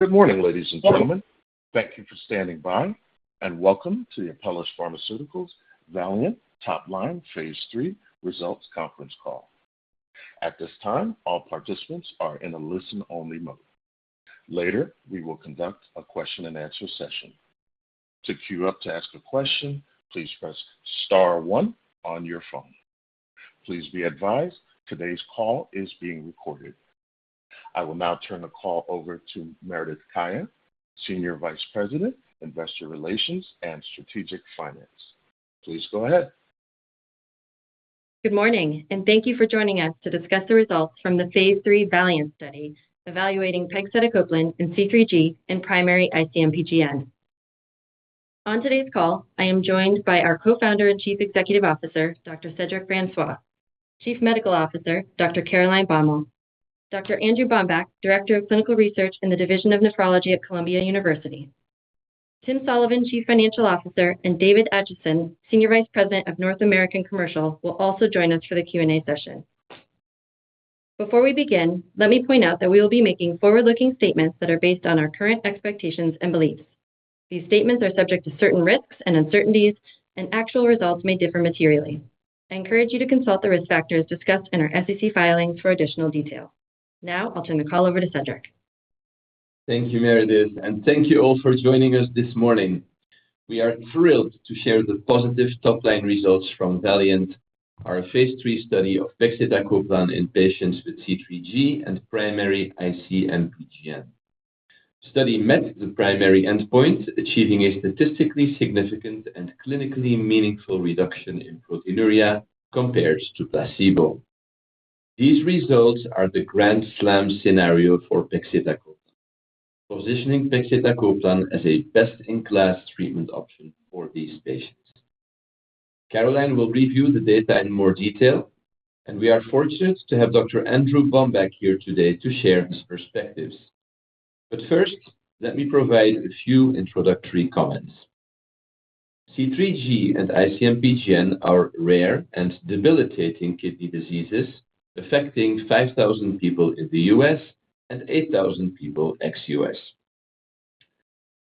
Good morning, ladies and gentlemen. Thank you for standing by, and welcome to the Apellis Pharmaceuticals VALIANT Top Line Phase 3 Results conference call. At this time, all participants are in a listen-only mode. Later, we will conduct a question and answer session. To queue up to ask a question, please press star one on your phone. Please be advised, today's call is being recorded. I will now turn the call over to Meredith Kaya, Senior Vice President, Investor Relations, and Strategic Finance. Please go ahead. Good morning, and thank you for joining us to discuss the results from the phase 3 VALIANT study, evaluating pegcetacoplan in C3G and primary IC-MPGN. On today's call, I am joined by our co-founder and Chief Executive Officer, Dr. Cedric Francois; Chief Medical Officer, Dr. Caroline Baumal; Dr. Andrew Bomback, Director of Clinical Research in the Division of Nephrology at Columbia University. Tim Sullivan, Chief Financial Officer, and David Acheson, Senior Vice President of North American Commercial, will also join us for the Q&A session. Before we begin, let me point out that we will be making forward-looking statements that are based on our current expectations and beliefs. These statements are subject to certain risks and uncertainties, and actual results may differ materially. I encourage you to consult the risk factors discussed in our SEC filings for additional detail. Now, I'll turn the call over to Cedric. Thank you, Meredith, and thank you all for joining us this morning. We are thrilled to share the positive top-line results from VALIANT, our phase 3 study of pegcetacoplan in patients with C3G and primary IC-MPGN. Study met the primary endpoint, achieving a statistically significant and clinically meaningful reduction in proteinuria compared to placebo. These results are the grand slam scenario for pegcetacoplan, positioning pegcetacoplan as a best-in-class treatment option for these patients. Caroline will review the data in more detail, and we are fortunate to have Dr. Andrew Bomback here today to share his perspectives. But first, let me provide a few introductory comments. C3G and IC-MPGN are rare and debilitating kidney diseases affecting 5,000 people in the U.S. and 8,000 people ex-U.S.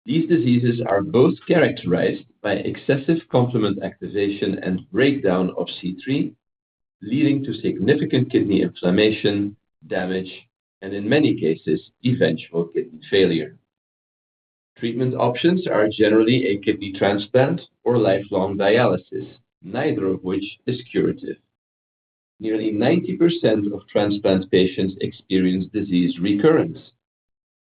These diseases are both characterized by excessive complement activation and breakdown of C3, leading to significant kidney inflammation, damage, and in many cases, eventual kidney failure. Treatment options are generally a kidney transplant or lifelong dialysis, neither of which is curative. Nearly 90% of transplant patients experience disease recurrence,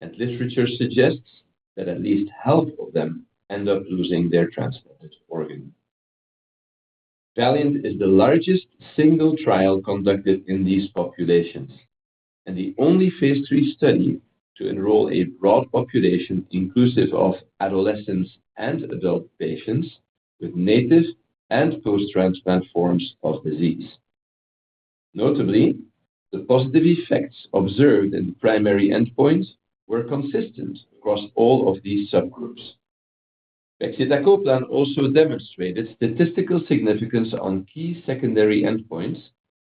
and literature suggests that at least half of them end up losing their transplanted organ. VALIANT is the largest single trial conducted in these populations, and the only phase 3 study to enroll a broad population, inclusive of adolescents and adult patients with native and post-transplant forms of disease. Notably, the positive effects observed in the primary endpoints were consistent across all of these subgroups. pegcetacoplan also demonstrated statistical significance on key secondary endpoints,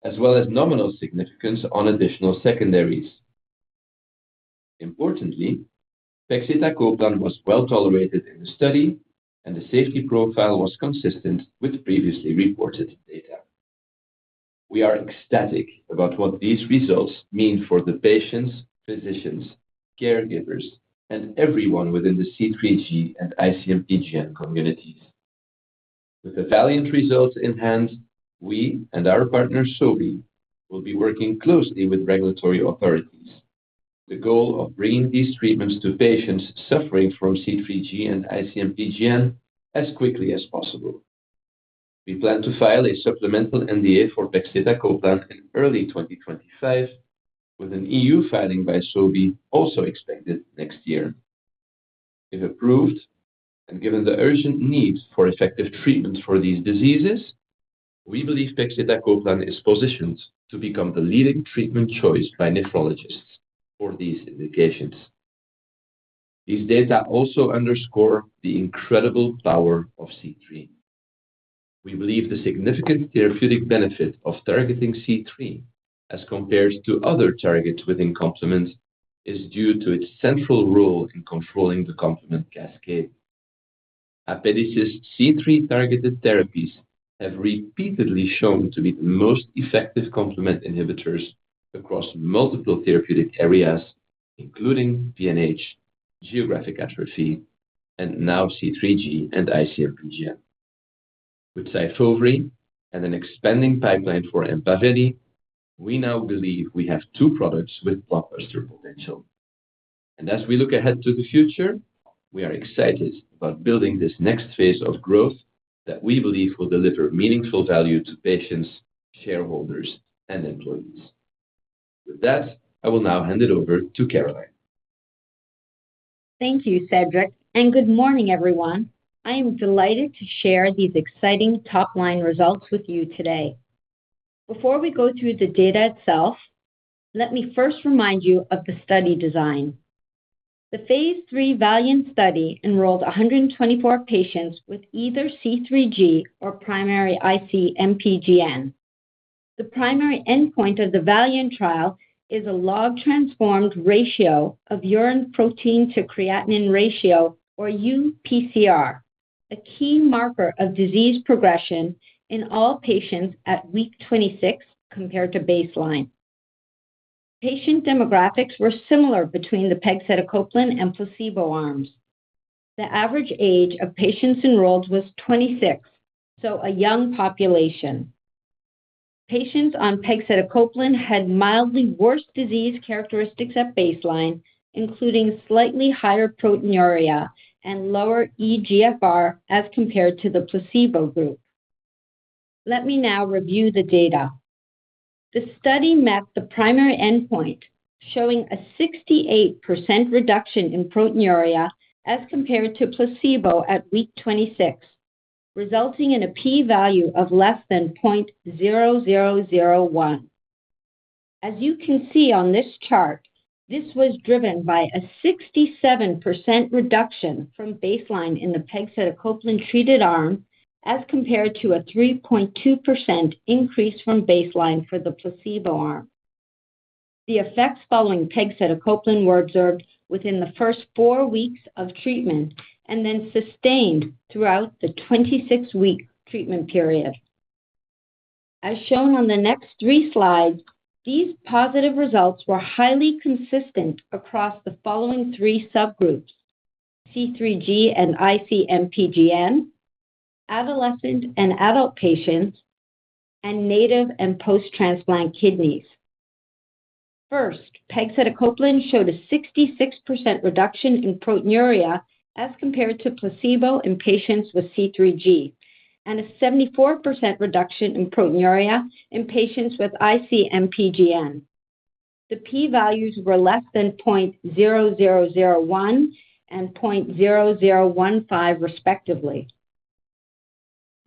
as well as nominal significance on additional secondaries. Importantly, pegcetacoplan was well tolerated in the study, and the safety profile was consistent with previously reported data. We are ecstatic about what these results mean for the patients, physicians, caregivers, and everyone within the C3G and IC-MPGN communities. With the VALIANT results in hand, we and our partner, Sobi, will be working closely with regulatory authorities. The goal of bringing these treatments to patients suffering from C3G and IC-MPGN as quickly as possible. We plan to file a supplemental NDA for pegcetacoplan in early 2025, with an EU filing by Sobi also expected next year. If approved, and given the urgent needs for effective treatments for these diseases, we believe pegcetacoplan is positioned to become the leading treatment choice by nephrologists for these indications. These data also underscore the incredible power of C3. We believe the significant therapeutic benefit of targeting C3, as compared to other targets within complements, is due to its central role in controlling the complement cascade. Apellis' C3-targeted therapies have repeatedly shown to be the most effective complement inhibitors across multiple therapeutic areas, including PNH, geographic atrophy, and now C3G and IC-MPGN. With Syfovre and an expanding pipeline for Empaveli, we now believe we have two products with blockbuster potential. And as we look ahead to the future, we are excited about building this next phase of growth that we believe will deliver meaningful value to patients, shareholders, and employees. With that, I will now hand it over to Caroline. Thank you, Cedric, and good morning, everyone. I am delighted to share these exciting top-line results with you today. Before we go through the data itself, let me first remind you of the study design. The phase 3 VALIANT study enrolled 124 patients with either C3G or primary IC-MPGN.... The primary endpoint of the VALIANT trial is a log transformed ratio of urine protein to creatinine ratio, or UPCR, a key marker of disease progression in all patients at week 26 compared to baseline. Patient demographics were similar between the pegcetacoplan and placebo arms. The average age of patients enrolled was 26, so a young population. Patients on pegcetacoplan had mildly worse disease characteristics at baseline, including slightly higher proteinuria and lower eGFR as compared to the placebo group. Let me now review the data. The study met the primary endpoint, showing a 68% reduction in proteinuria as compared to placebo at week 26, resulting in a p-value of <0.0001. As you can see on this chart, this was driven by a 67% reduction from baseline in the pegcetacoplan-treated arm, as compared to a 3.2% increase from baseline for the placebo arm. The effects following pegcetacoplan were observed within the first four weeks of treatment and then sustained throughout the 26-week treatment period. As shown on the next three slides, these positive results were highly consistent across the following three subgroups: C3G and IC-MPGN, adolescent and adult patients, and native and post-transplant kidneys. First, pegcetacoplan showed a 66% reduction in proteinuria as compared to placebo in patients with C3G and a 74% reduction in proteinuria in patients with IC-MPGN. The p-values were less than 0.0001 and 0.0015, respectively.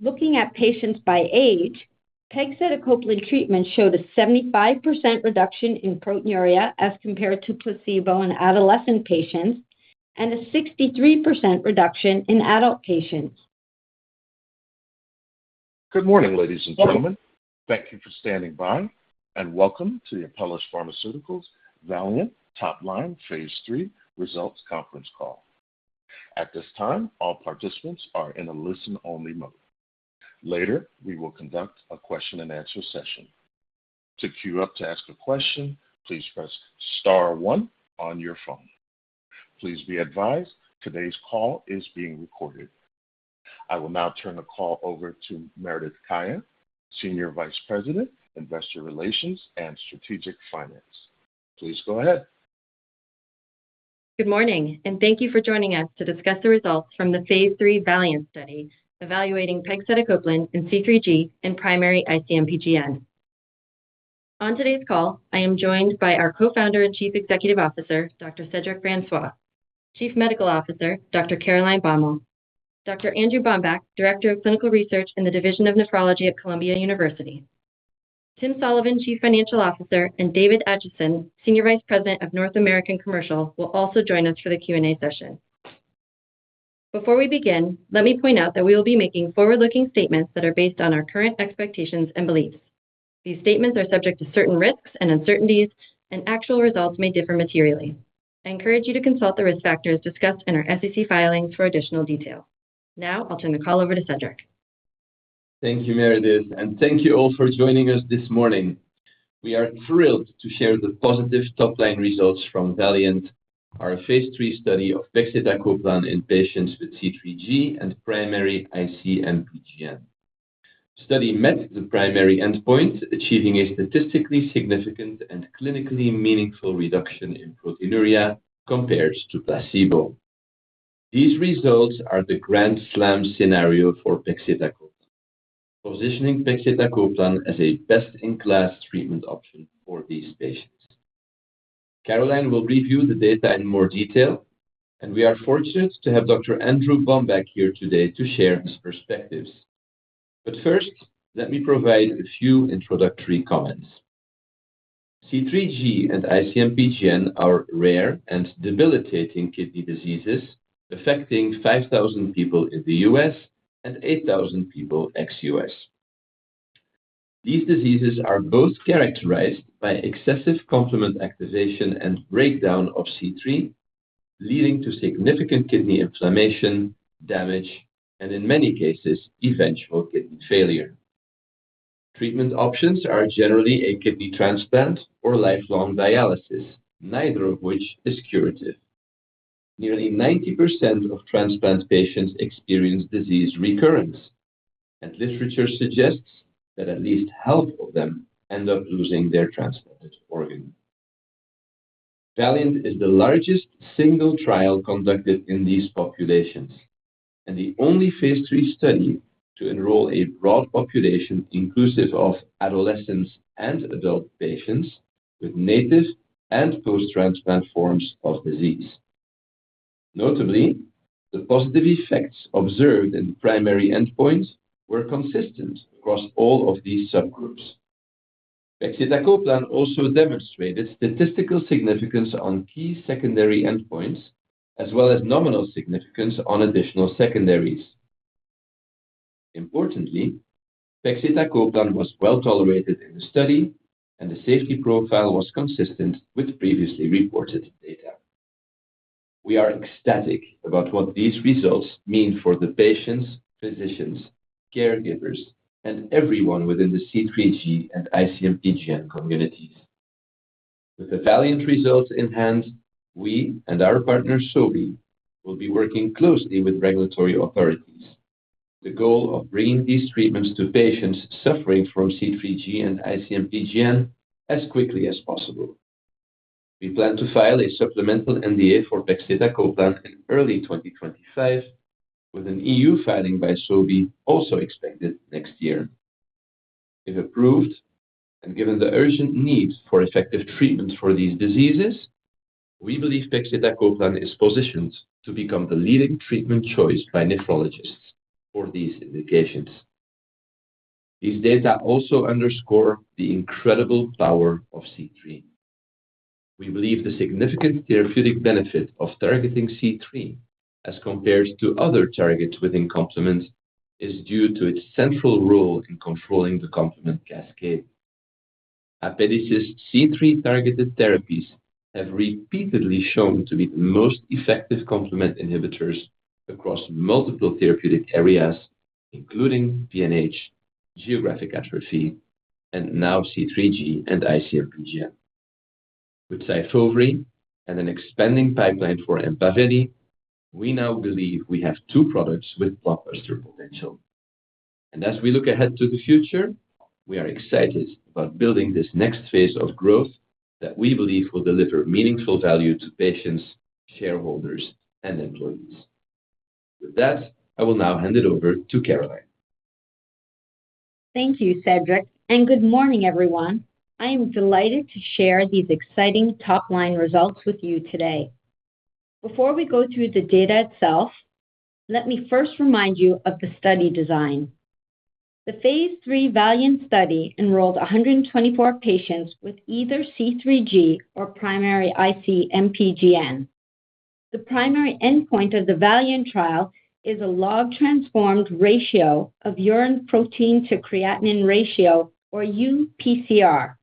Looking at patients by age, pegcetacoplan treatment showed a 75% reduction in proteinuria as compared to placebo in adolescent patients and a 63% reduction in adult patients. Good morning, ladies and gentlemen. Thank you for standing by, and welcome to the Apellis Pharmaceuticals VALIANT Top Line Phase 3 Results Conference Call. At this time, all participants are in a listen-only mode. Later, we will conduct a question-and-answer session. To queue up to ask a question, please press star one on your phone. Please be advised, today's call is being recorded. I will now turn the call over to Meredith Kaya, Senior Vice President, Investor Relations and Strategic Finance. Please go ahead. Good morning, and thank you for joining us to discuss the results from the phase 3 VALIANT study, evaluating pegcetacoplan in C3G and primary IC-MPGN. On today's call, I am joined by our Co-founder and Chief Executive Officer, Dr. Cedric Francois; Chief Medical Officer, Dr. Caroline Bommel; Dr. Andrew Bomback, Director of Clinical Research in the Division of Nephrology at Columbia University. Tim Sullivan, Chief Financial Officer, and David Acheson, Senior Vice President of North American Commercial, will also join us for the Q&A session. Before we begin, let me point out that we will be making forward-looking statements that are based on our current expectations and beliefs. These statements are subject to certain risks and uncertainties, and actual results may differ materially. I encourage you to consult the risk factors discussed in our SEC filings for additional detail. Now, I'll turn the call over to Cedric. Thank you, Meredith, and thank you all for joining us this morning. We are thrilled to share the positive top-line results from VALIANT, our phase 3 study of pegcetacoplan in patients with C3G and primary IC-MPGN. The study met the primary endpoint, achieving a statistically significant and clinically meaningful reduction in proteinuria compared to placebo. These results are the grand slam scenario for pegcetacoplan, positioning pegcetacoplan as a best-in-class treatment option for these patients. Caroline will review the data in more detail, and we are fortunate to have Dr. Andrew Bomback here today to share his perspectives. But first, let me provide a few introductory comments. C3G and IC-MPGN are rare and debilitating kidney diseases affecting 5,000 people in the U.S. and 8,000 people ex-US. These diseases are both characterized by excessive complement activation and breakdown of C3, leading to significant kidney inflammation, damage, and in many cases, eventual kidney failure. Treatment options are generally a kidney transplant or lifelong dialysis, neither of which is curative. Nearly 90% of transplant patients experience disease recurrence, and literature suggests that at least half of them end up losing their transplanted organ. VALIANT is the largest single trial conducted in these populations and the only phase 3 study to enroll a broad population, inclusive of adolescents and adult patients with native and post-transplant forms of disease. Notably, the positive effects observed in the primary endpoints were consistent across all of these subgroups.... Pegcetacoplan also demonstrated statistical significance on key secondary endpoints, as well as nominal significance on additional secondaries. Importantly, pegcetacoplan was well-tolerated in the study, and the safety profile was consistent with previously reported data. We are ecstatic about what these results mean for the patients, physicians, caregivers, and everyone within the C3G and IC-MPGN communities. With the VALIANT results in hand, we and our partner, Sobi, will be working closely with regulatory authorities. The goal of bringing these treatments to patients suffering from C3G and IC-MPGN as quickly as possible. We plan to file a supplemental NDA for pegcetacoplan in early 2025, with an EU filing by Sobi also expected next year. If approved, and given the urgent need for effective treatments for these diseases, we believe pegcetacoplan is positioned to become the leading treatment choice by nephrologists for these indications. These data also underscore the incredible power of C3. We believe the significant therapeutic benefit of targeting C3, as compared to other targets within complement, is due to its central role in controlling the complement cascade. Apellis' C3-targeted therapies have repeatedly shown to be the most effective complement inhibitors across multiple therapeutic areas, including PNH, geographic atrophy, and now C3G and ICMPGN. With SYFOVRE and an expanding pipeline for EMPAVELI, we now believe we have two products with blockbuster potential. As we look ahead to the future, we are excited about building this next phase of growth that we believe will deliver meaningful value to patients, shareholders, and employees. With that, I will now hand it over to Caroline. Thank you, Cedric, and good morning, everyone. I am delighted to share these exciting top-line results with you today. Before we go through the data itself, let me first remind you of the study design. The phase 3 VALIANT study enrolled 124 patients with either C3G or primary IC-MPGN. The primary endpoint of the VALIANT trial is a log transformed ratio of urine protein to creatinine ratio, or UPCR,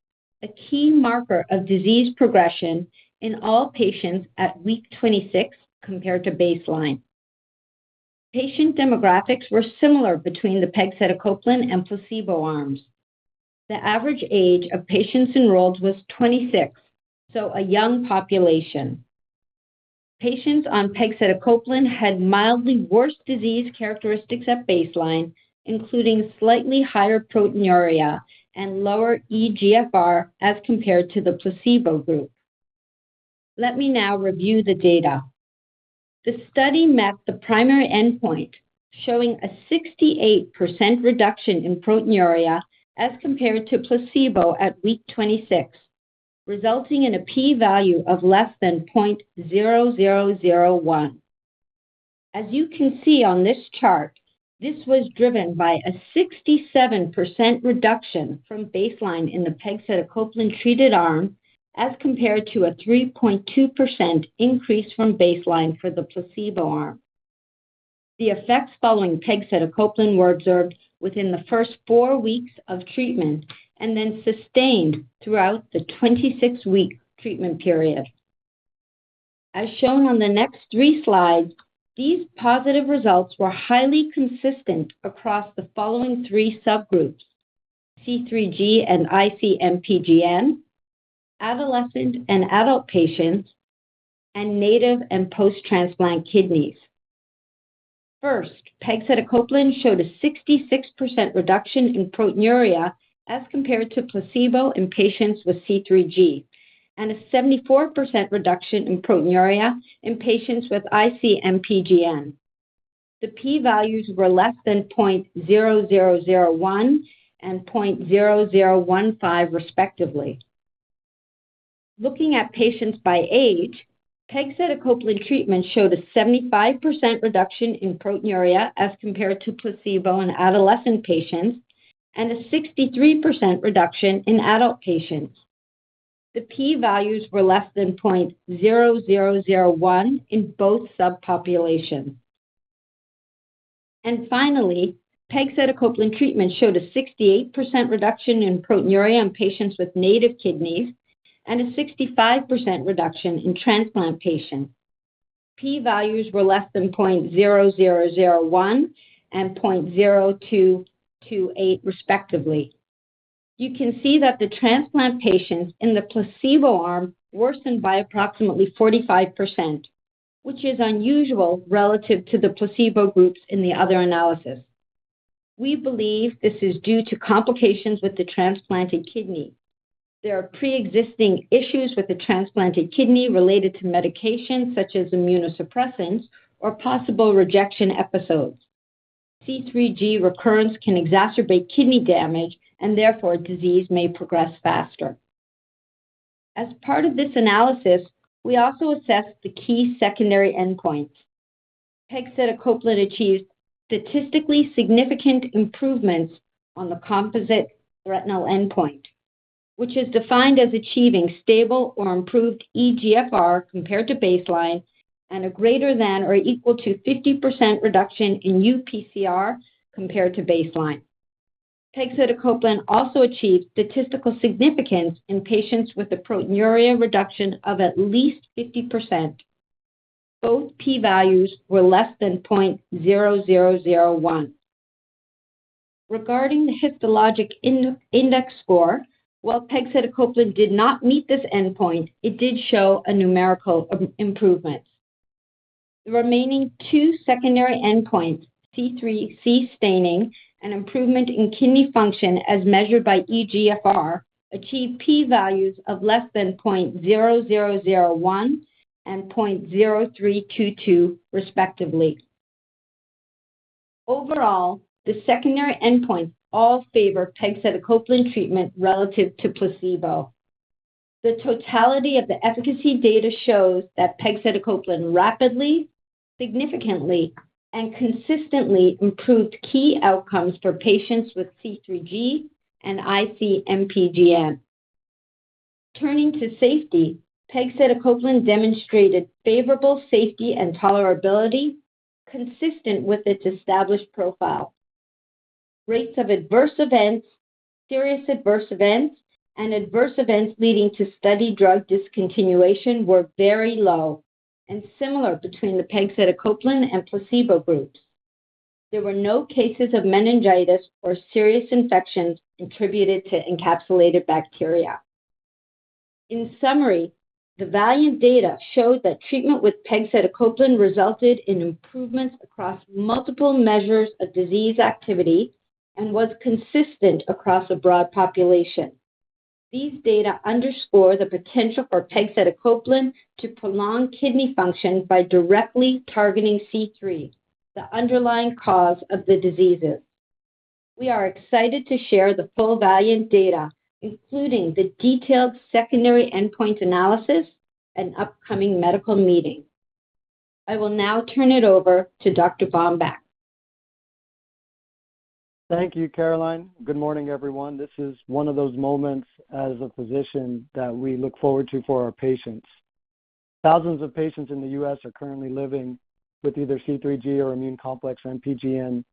a key marker of disease progression in all patients at week 26 compared to baseline. Patient demographics were similar between the pegcetacoplan and placebo arms. The average age of patients enrolled was 26, so a young population. Patients on pegcetacoplan had mildly worse disease characteristics at baseline, including slightly higher proteinuria and lower eGFR as compared to the placebo group. Let me now review the data. The study met the primary endpoint, showing a 68% reduction in proteinuria as compared to placebo at week 26, resulting in a P value of less than 0.0001. As you can see on this chart, this was driven by a 67% reduction from baseline in the pegcetacoplan-treated arm, as compared to a 3.2% increase from baseline for the placebo arm. The effects following pegcetacoplan were observed within the first four weeks of treatment and then sustained throughout the 26-week treatment period. As shown on the next 3 slides, these positive results were highly consistent across the following three subgroups: C3G and IC-MPGN, adolescent and adult patients, and native and post-transplant kidneys. First, pegcetacoplan showed a 66% reduction in proteinuria as compared to placebo in patients with C3G, and a 74% reduction in proteinuria in patients with IC-MPGN. The P values were less than 0.0001 and 0.0015, respectively. Looking at patients by age, pegcetacoplan treatment showed a 75% reduction in proteinuria as compared to placebo in adolescent patients and a 63% reduction in adult patients. The P values were less than 0.0001 in both subpopulations. And finally, pegcetacoplan treatment showed a 68% reduction in proteinuria in patients with native kidneys and a 65% reduction in transplant patients. P values were less than 0.0001 and 0.0228, respectively. You can see that the transplant patients in the placebo arm worsened by approximately 45%, which is unusual relative to the placebo groups in the other analysis. We believe this is due to complications with the transplanted kidney. There are preexisting issues with the transplanted kidney related to medications such as immunosuppressants or possible rejection episodes. C3G recurrence can exacerbate kidney damage, and therefore disease may progress faster. As part of this analysis, we also assessed the key secondary endpoints. Pegcetacoplan achieved statistically significant improvements on the composite renal endpoint, which is defined as achieving stable or improved eGFR compared to baseline and a greater than or equal to 50% reduction in uPCR compared to baseline. Pegcetacoplan also achieved statistical significance in patients with a proteinuria reduction of at least 50%. Both P values were less than 0.001. Regarding the histologic index score, while pegcetacoplan did not meet this endpoint, it did show a numerical improvement. The remaining two secondary endpoints, C3c staining and improvement in kidney function as measured by eGFR, achieved P values of less than 0.0001 and 0.0322, respectively. Overall, the secondary endpoints all favor pegcetacoplan treatment relative to placebo. The totality of the efficacy data shows that pegcetacoplan rapidly, significantly, and consistently improved key outcomes for patients with C3G and IC-MPGN. Turning to safety, pegcetacoplan demonstrated favorable safety and tolerability consistent with its established profile. Rates of adverse events, serious adverse events, and adverse events leading to study drug discontinuation were very low and similar between the pegcetacoplan and placebo groups. There were no cases of meningitis or serious infections attributed to encapsulated bacteria. In summary, the VALIANT data showed that treatment with pegcetacoplan resulted in improvements across multiple measures of disease activity and was consistent across a broad population. These data underscore the potential for pegcetacoplan to prolong kidney function by directly targeting C3, the underlying cause of the diseases. We are excited to share the full VALIANT data, including the detailed secondary endpoint analysis and upcoming medical meeting. I will now turn it over to Dr. Bomback. Thank you, Caroline. Good morning, everyone. This is one of those moments as a physician that we look forward to for our patients. Thousands of patients in the U.S. are currently living with either C3G or immune complex MPGN,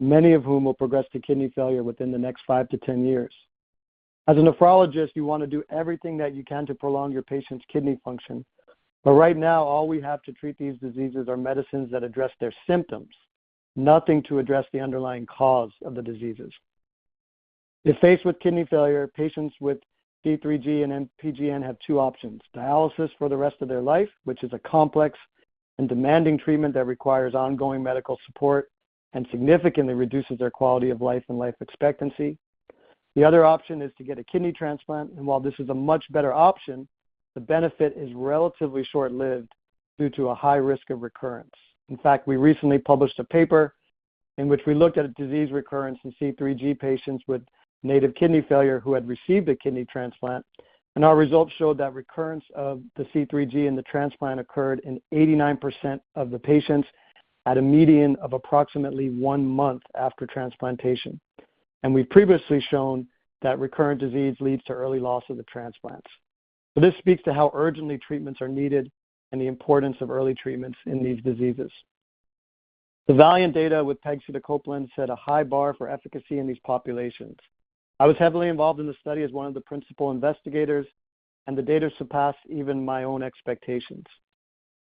many of whom will progress to kidney failure within the next 5-10 years. As a nephrologist, you want to do everything that you can to prolong your patient's kidney function, but right now, all we have to treat these diseases are medicines that address their symptoms, nothing to address the underlying cause of the diseases. If faced with kidney failure, patients with C3G and MPGN have 2 options: dialysis for the rest of their life, which is a complex and demanding treatment that requires ongoing medical support and significantly reduces their quality of life and life expectancy. The other option is to get a kidney transplant, and while this is a much better option, the benefit is relatively short-lived due to a high risk of recurrence. In fact, we recently published a paper in which we looked at disease recurrence in C3G patients with native kidney failure who had received a kidney transplant, and our results showed that recurrence of the C3G in the transplant occurred in 89% of the patients at a median of approximately one month after transplantation. We've previously shown that recurrent disease leads to early loss of the transplants. This speaks to how urgently treatments are needed and the importance of early treatments in these diseases. The VALIANT data with pegcetacoplan set a high bar for efficacy in these populations. I was heavily involved in the study as one of the principal investigators, and the data surpassed even my own expectations.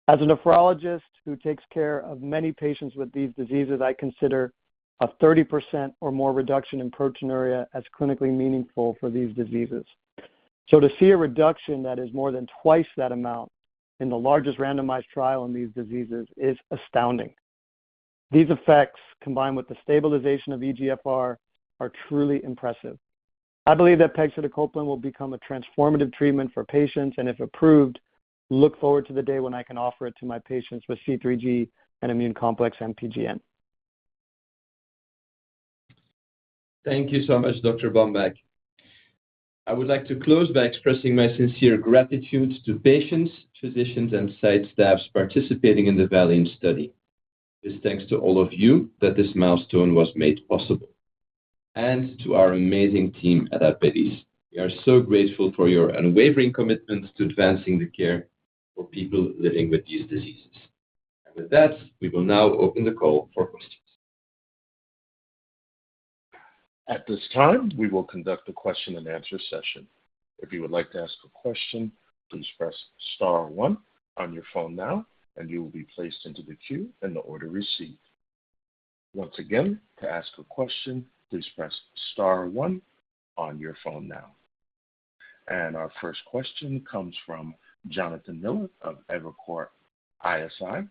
As a nephrologist who takes care of many patients with these diseases, I consider a 30% or more reduction in proteinuria as clinically meaningful for these diseases. So to see a reduction that is more than twice that amount in the largest randomized trial in these diseases is astounding. These effects, combined with the stabilization of eGFR, are truly impressive. I believe that pegcetacoplan will become a transformative treatment for patients, and if approved, look forward to the day when I can offer it to my patients with C3G and immune complex MPGN. Thank you so much, Dr. Bomback. I would like to close by expressing my sincere gratitude to patients, physicians, and site staffs participating in the VALIANT study. It's thanks to all of you that this milestone was made possible. And to our amazing team at Apellis, we are so grateful for your unwavering commitment to advancing the care for people living with these diseases. And with that, we will now open the call for questions. At this time, we will conduct a question and answer session. If you would like to ask a question, please press star one on your phone now, and you will be placed into the queue in the order received. Once again, to ask a question, please press star one on your phone now. Our first question comes from Jonathan Miller of Evercore ISI.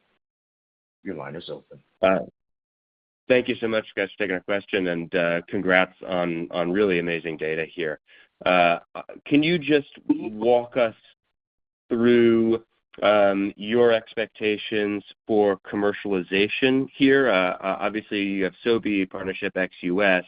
Your line is open. Thank you so much, guys, for taking our question, and congrats on really amazing data here. Can you just walk us through your expectations for commercialization here. Obviously, you have Sobi partnership ex-US.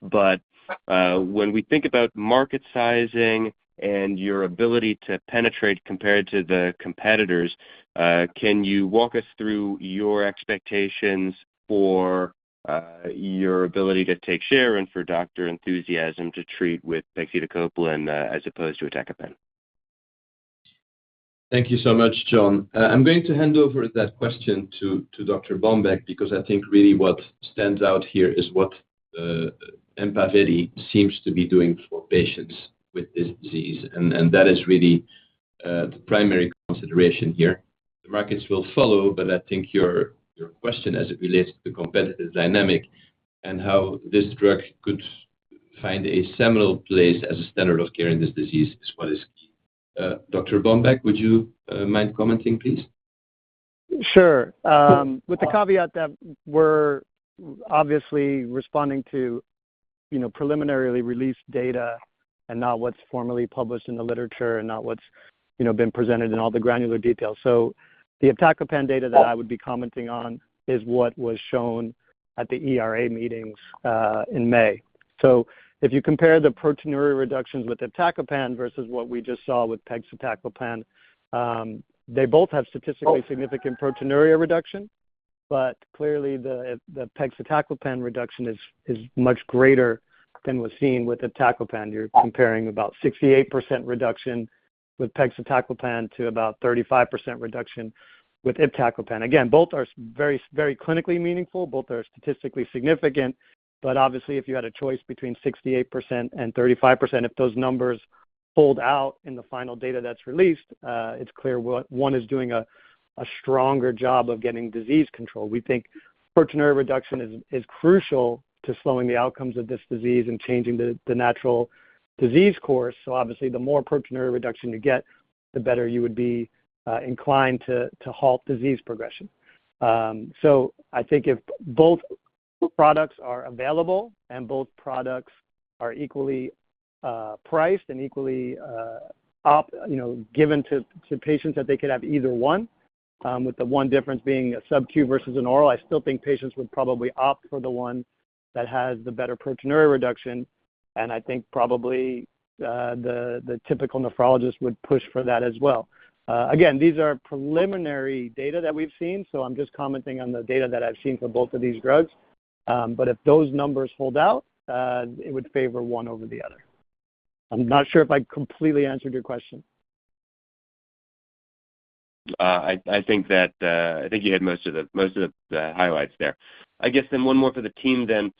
But when we think about market sizing and your ability to penetrate compared to the competitors, can you walk us through your expectations for your ability to take share and for doctor enthusiasm to treat with pegcetacoplan, as opposed to iptacopan? Thank you so much, John. I'm going to hand over that question to Dr. Bomback, because I think really what stands out here is what Empaveli seems to be doing for patients with this disease, and that is really the primary consideration here. The markets will follow, but I think your question as it relates to the competitive dynamic and how this drug could find a seminal place as a standard of care in this disease is what is key. Dr. Bomback, would you mind commenting, please? Sure. With the caveat that we're obviously responding to, you know, preliminarily released data and not what's formally published in the literature and not what's, you know, been presented in all the granular details. So the iptacopan data that I would be commenting on is what was shown at the ERA meetings in May. So if you compare the proteinuria reductions with iptacopan versus what we just saw with pegcetacoplan, they both have statistically significant proteinuria reduction, but clearly the pegcetacoplan reduction is much greater than was seen with iptacopan. You're comparing about 68% reduction with pegcetacoplan to about 35% reduction with iptacopan. Again, both are very, very clinically meaningful, both are statistically significant, but obviously, if you had a choice between 68% and 35%, if those numbers hold out in the final data that's released, it's clear what one is doing a stronger job of getting disease control. We think proteinuria reduction is crucial to slowing the outcomes of this disease and changing the natural disease course. So obviously, the more proteinuria reduction you get, the better you would be inclined to halt disease progression. So I think if both products are available and both products are equally priced and equally, you know, given to patients, that they could have either one, with the one difference being a subQ versus an oral, I still think patients would probably opt for the one that has the better proteinuria reduction, and I think probably the typical nephrologist would push for that as well. Again, these are preliminary data that we've seen, so I'm just commenting on the data that I've seen for both of these drugs. But if those numbers hold out, it would favor one over the other. I'm not sure if I completely answered your question. I think you hit most of the highlights there. I guess then one more for the team then.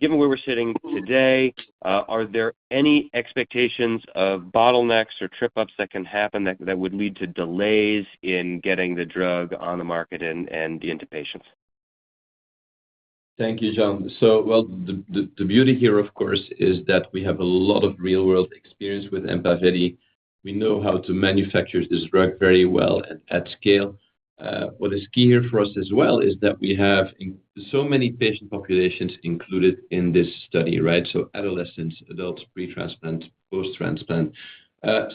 Given where we're sitting today, are there any expectations of bottlenecks or trip-ups that can happen that would lead to delays in getting the drug on the market and into patients? Thank you, John. So well, the beauty here, of course, is that we have a lot of real-world experience with EMPAVELI. We know how to manufacture this drug very well and at scale. What is key here for us as well is that we have so many patient populations included in this study, right? So adolescents, adults, pre-transplant, post-transplant.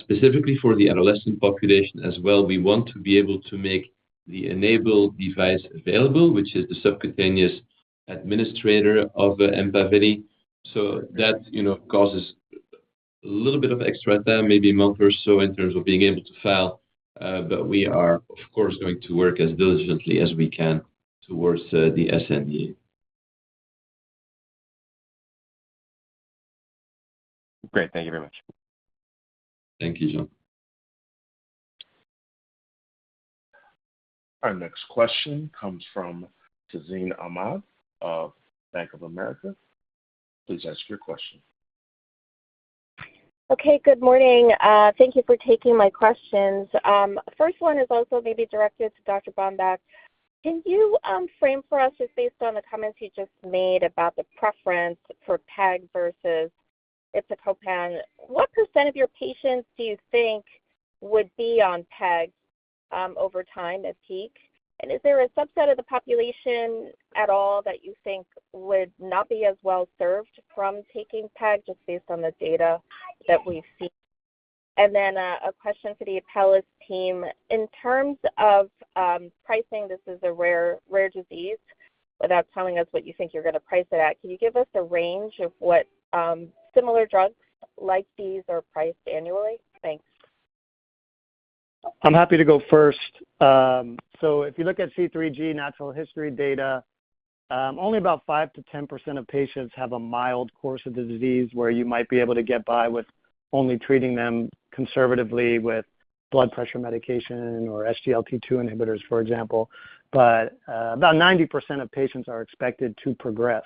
Specifically for the adolescent population as well, we want to be able to make the enabled device available, which is the subcutaneous administration of the EMPAVELI. So that, you know, causes a little bit of extra time, maybe a month or so, in terms of being able to file, but we are, of course, going to work as diligently as we can towards the SME. Great. Thank you very much. Thank you, John. Our next question comes from Tazeen Ahmad of Bank of America. Please ask your question. Okay, good morning. Thank you for taking my questions. First one is also maybe directed to Dr. Bomback. Can you frame for us, just based on the comments you just made about the preference for PEG versus iptacopan, what % of your patients do you think would be on PEG, over time at peak? And is there a subset of the population at all that you think would not be as well served from taking PEG, just based on the data that we've seen? And then, a question for the Apellis team. In terms of pricing, this is a rare, rare disease. Without telling us what you think you're going to price it at, can you give us a range of what similar drugs like these are priced annually? Thanks. I'm happy to go first. So if you look at C3G natural history data, only about 5%-10% of patients have a mild course of the disease where you might be able to get by with only treating them conservatively with blood pressure medication or SGLT2 inhibitors, for example. But about 90% of patients are expected to progress.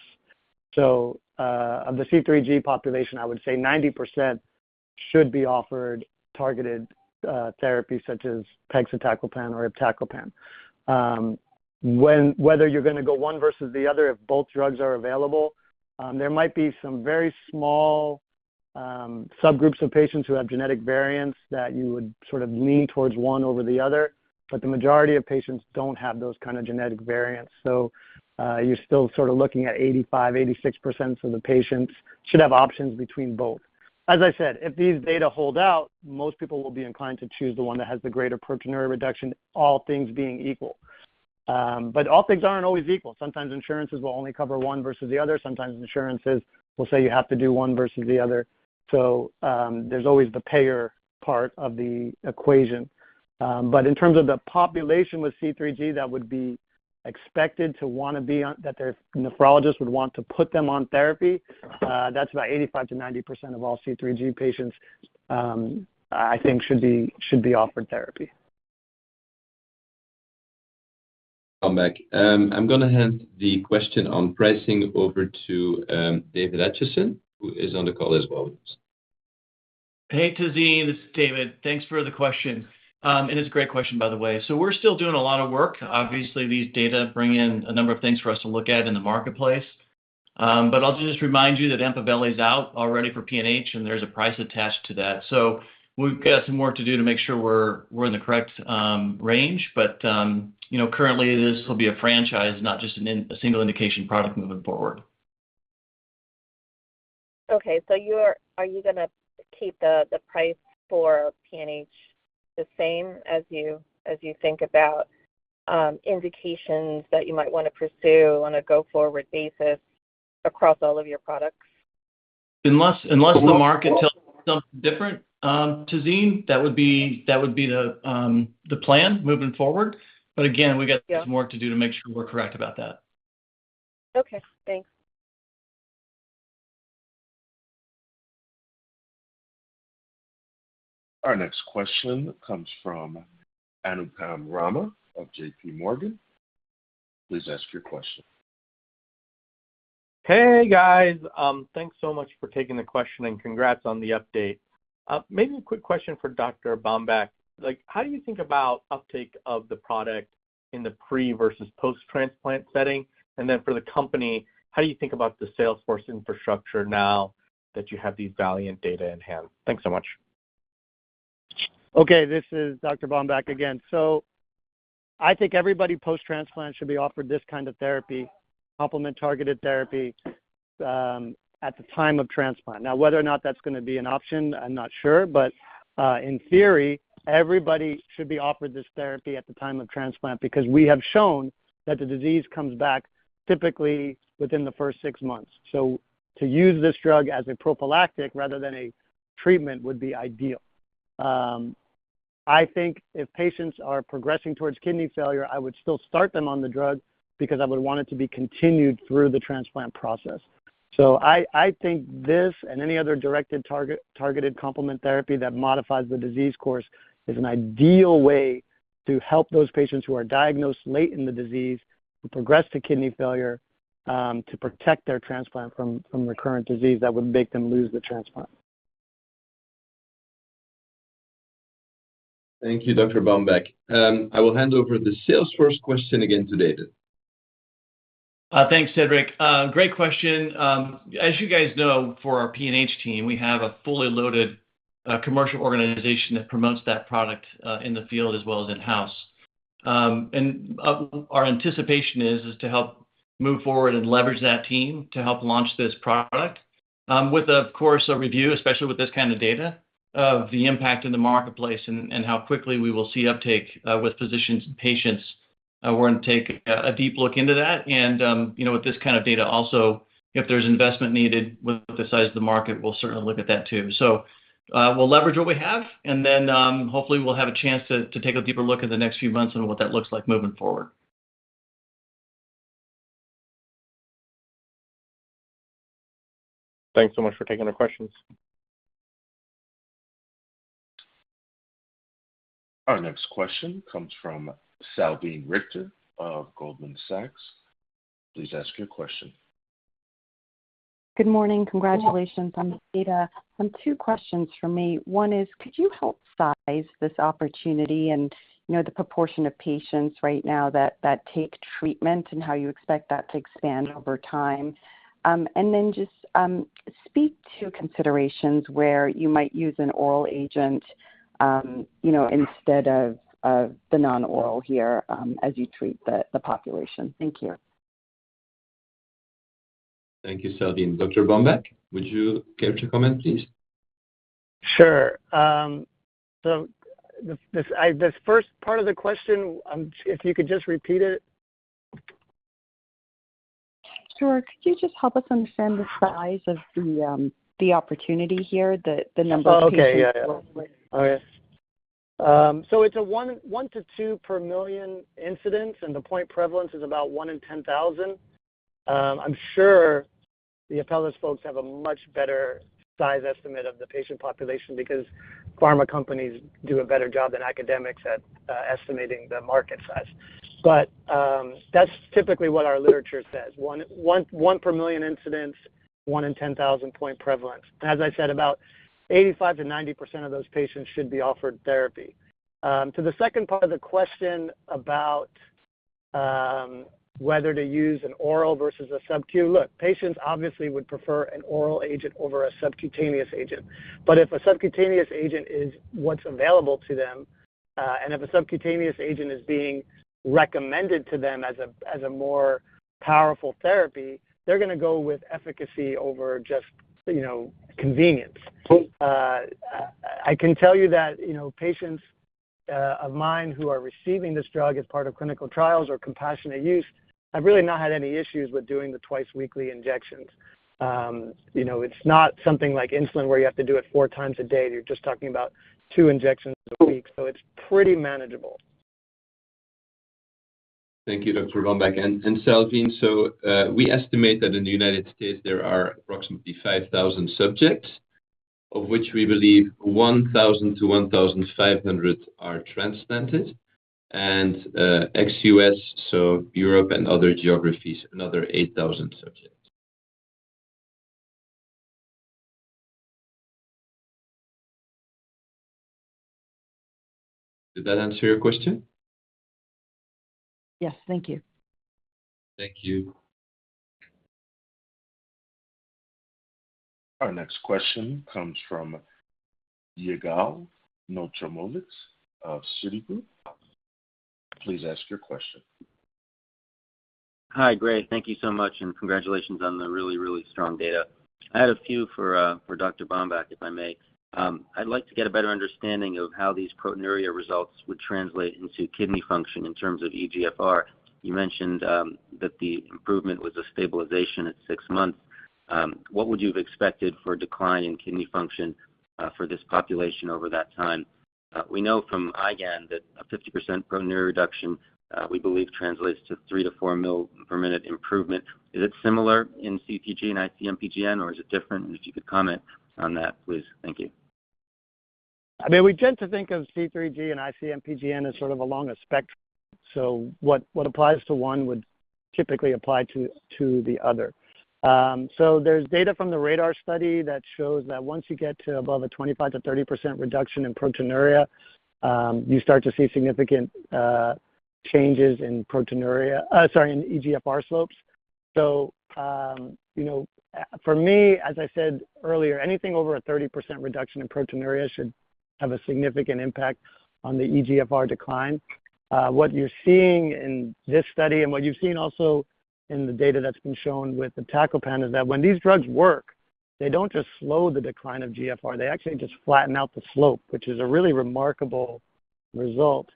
So of the C3G population, I would say 90% should be offered targeted therapy, such as pegcetacoplan or iptacopan. Whether you're going to go one versus the other, if both drugs are available, there might be some very small subgroups of patients who have genetic variants that you would sort of lean towards one over the other, but the majority of patients don't have those kind of genetic variants. So, you're still sort of looking at 85%-86% of the patients should have options between both. ...As I said, if these data hold out, most people will be inclined to choose the one that has the greater proteinuria reduction, all things being equal. But all things aren't always equal. Sometimes insurances will only cover one versus the other. Sometimes insurances will say you have to do one versus the other. So, there's always the payer part of the equation. But in terms of the population with C3G, that would be expected to wanna be on-- that their nephrologist would want to put them on therapy, that's about 85%-90% of all C3G patients, I think should be, should be offered therapy. I'm back. I'm gonna hand the question on pricing over to, David Acheson, who is on the call as well. Hey, Tazeen, this is David. Thanks for the question. And it's a great question, by the way. So we're still doing a lot of work. Obviously, these data bring in a number of things for us to look at in the marketplace. But I'll just remind you that EMPAVELI is out already for PNH, and there's a price attached to that. So we've got some work to do to make sure we're, we're in the correct range, but you know, currently this will be a franchise, not just a single indication product moving forward. Okay. So are you gonna keep the price for PNH the same as you think about indications that you might wanna pursue on a go-forward basis across all of your products? Unless the market tells something different, Tazeen, that would be the plan moving forward. But again, we've got some work to do to make sure we're correct about that. Okay, thanks. Our next question comes from Anupam Rama of J.P. Morgan. Please ask your question. Hey, guys. Thanks so much for taking the question, and congrats on the update. Maybe a quick question for Dr. Bomback. Like, how do you think about uptake of the product in the pre- versus post-transplant setting? And then for the company, how do you think about the sales force infrastructure now that you have these VALIANT data in hand? Thanks so much. Okay, this is Dr. Bomback again. So I think everybody post-transplant should be offered this kind of therapy, complement targeted therapy, at the time of transplant. Now, whether or not that's gonna be an option, I'm not sure. But, in theory, everybody should be offered this therapy at the time of transplant because we have shown that the disease comes back typically within the first six months. So to use this drug as a prophylactic rather than a treatment would be ideal. I think if patients are progressing towards kidney failure, I would still start them on the drug because I would want it to be continued through the transplant process. So I, I think this and any other directed target- targeted complement therapy that modifies the disease course is an ideal way to help those patients who are diagnosed late in the disease, who progress to kidney failure, to protect their transplant from, from recurrent disease that would make them lose the transplant. Thank you, Dr. Bomback. I will hand over the Salesforce question again to David. Thanks, Cedric. Great question. As you guys know, for our PNH team, we have a fully loaded commercial organization that promotes that product in the field as well as in-house. And our anticipation is to help move forward and leverage that team to help launch this product, with, of course, a review, especially with this kind of data, of the impact in the marketplace and how quickly we will see uptake with physicians and patients. We're gonna take a deep look into that. And you know, with this kind of data, also, if there's investment needed with the size of the market, we'll certainly look at that too. We'll leverage what we have, and then, hopefully we'll have a chance to take a deeper look in the next few months on what that looks like moving forward. Thanks so much for taking the questions. Our next question comes from Salveen Richter of Goldman Sachs. Please ask your question. Good morning. Congratulations on the data. Two questions from me. One is, could you help size this opportunity and, you know, the proportion of patients right now that take treatment and how you expect that to expand over time? And then just, speak to considerations where you might use an oral agent, you know, instead of the non-oral here, as you treat the population. Thank you. Thank you, Salveen. Dr. Bomback, would you care to comment, please? Sure. So, this first part of the question, if you could just repeat it. Sure. Could you just help us understand the size of the opportunity here, the number of patients? Okay, yeah. Oh, yeah. So it's 1-2 per million incidents, and the point prevalence is about 1 in 10,000. I'm sure the Apellis folks have a much better size estimate of the patient population because pharma companies do a better job than academics at estimating the market size. But that's typically what our literature says, 1 per million incidents, 1 in 10,000 point prevalence. As I said, about 85%-90% of those patients should be offered therapy. To the second part of the question about whether to use an oral versus a subQ, look, patients obviously would prefer an oral agent over a subcutaneous agent. But if a subcutaneous agent is what's available to them-... And if a subcutaneous agent is being recommended to them as a more powerful therapy, they're gonna go with efficacy over just, you know, convenience. I can tell you that, you know, patients of mine who are receiving this drug as part of clinical trials or compassionate use, I've really not had any issues with doing the twice-weekly injections. You know, it's not something like insulin, where you have to do it four times a day. You're just talking about two injections a week, so it's pretty manageable. Thank you, Dr. Bomback. And Salveen, so we estimate that in the United States there are approximately 5,000 subjects, of which we believe 1,000-1,500 are transplanted, and ex-US, so Europe and other geographies, another 8,000 subjects. Did that answer your question? Yes. Thank you. Thank you. Our next question comes from Yigal Nochomovitz of Citigroup. Please ask your question. Hi, great. Thank you so much, and congratulations on the really, really strong data. I had a few for Dr. Bomback, if I may. I'd like to get a better understanding of how these proteinuria results would translate into kidney function in terms of eGFR. You mentioned that the improvement was a stabilization at 6 months. What would you have expected for a decline in kidney function for this population over that time? We know from IgAN that a 50% proteinuria reduction we believe translates to 3-4 ml/min improvement. Is it similar in C3G and IC-MPGN, or is it different? And if you could comment on that, please. Thank you. I mean, we tend to think of C3G and ICMPGN as sort of along a spectrum, so what applies to one would typically apply to the other. So there's data from the RaDaR study that shows that once you get to above a 25%-30% reduction in proteinuria, you start to see significant changes in proteinuria. Sorry, in eGFR slopes. So you know, for me, as I said earlier, anything over a 30% reduction in proteinuria should have a significant impact on the eGFR decline. What you're seeing in this study, and what you've seen also in the data that's been shown with the iptacopan, is that when these drugs work, they don't just slow the decline of GFR, they actually just flatten out the slope, which is a really remarkable result,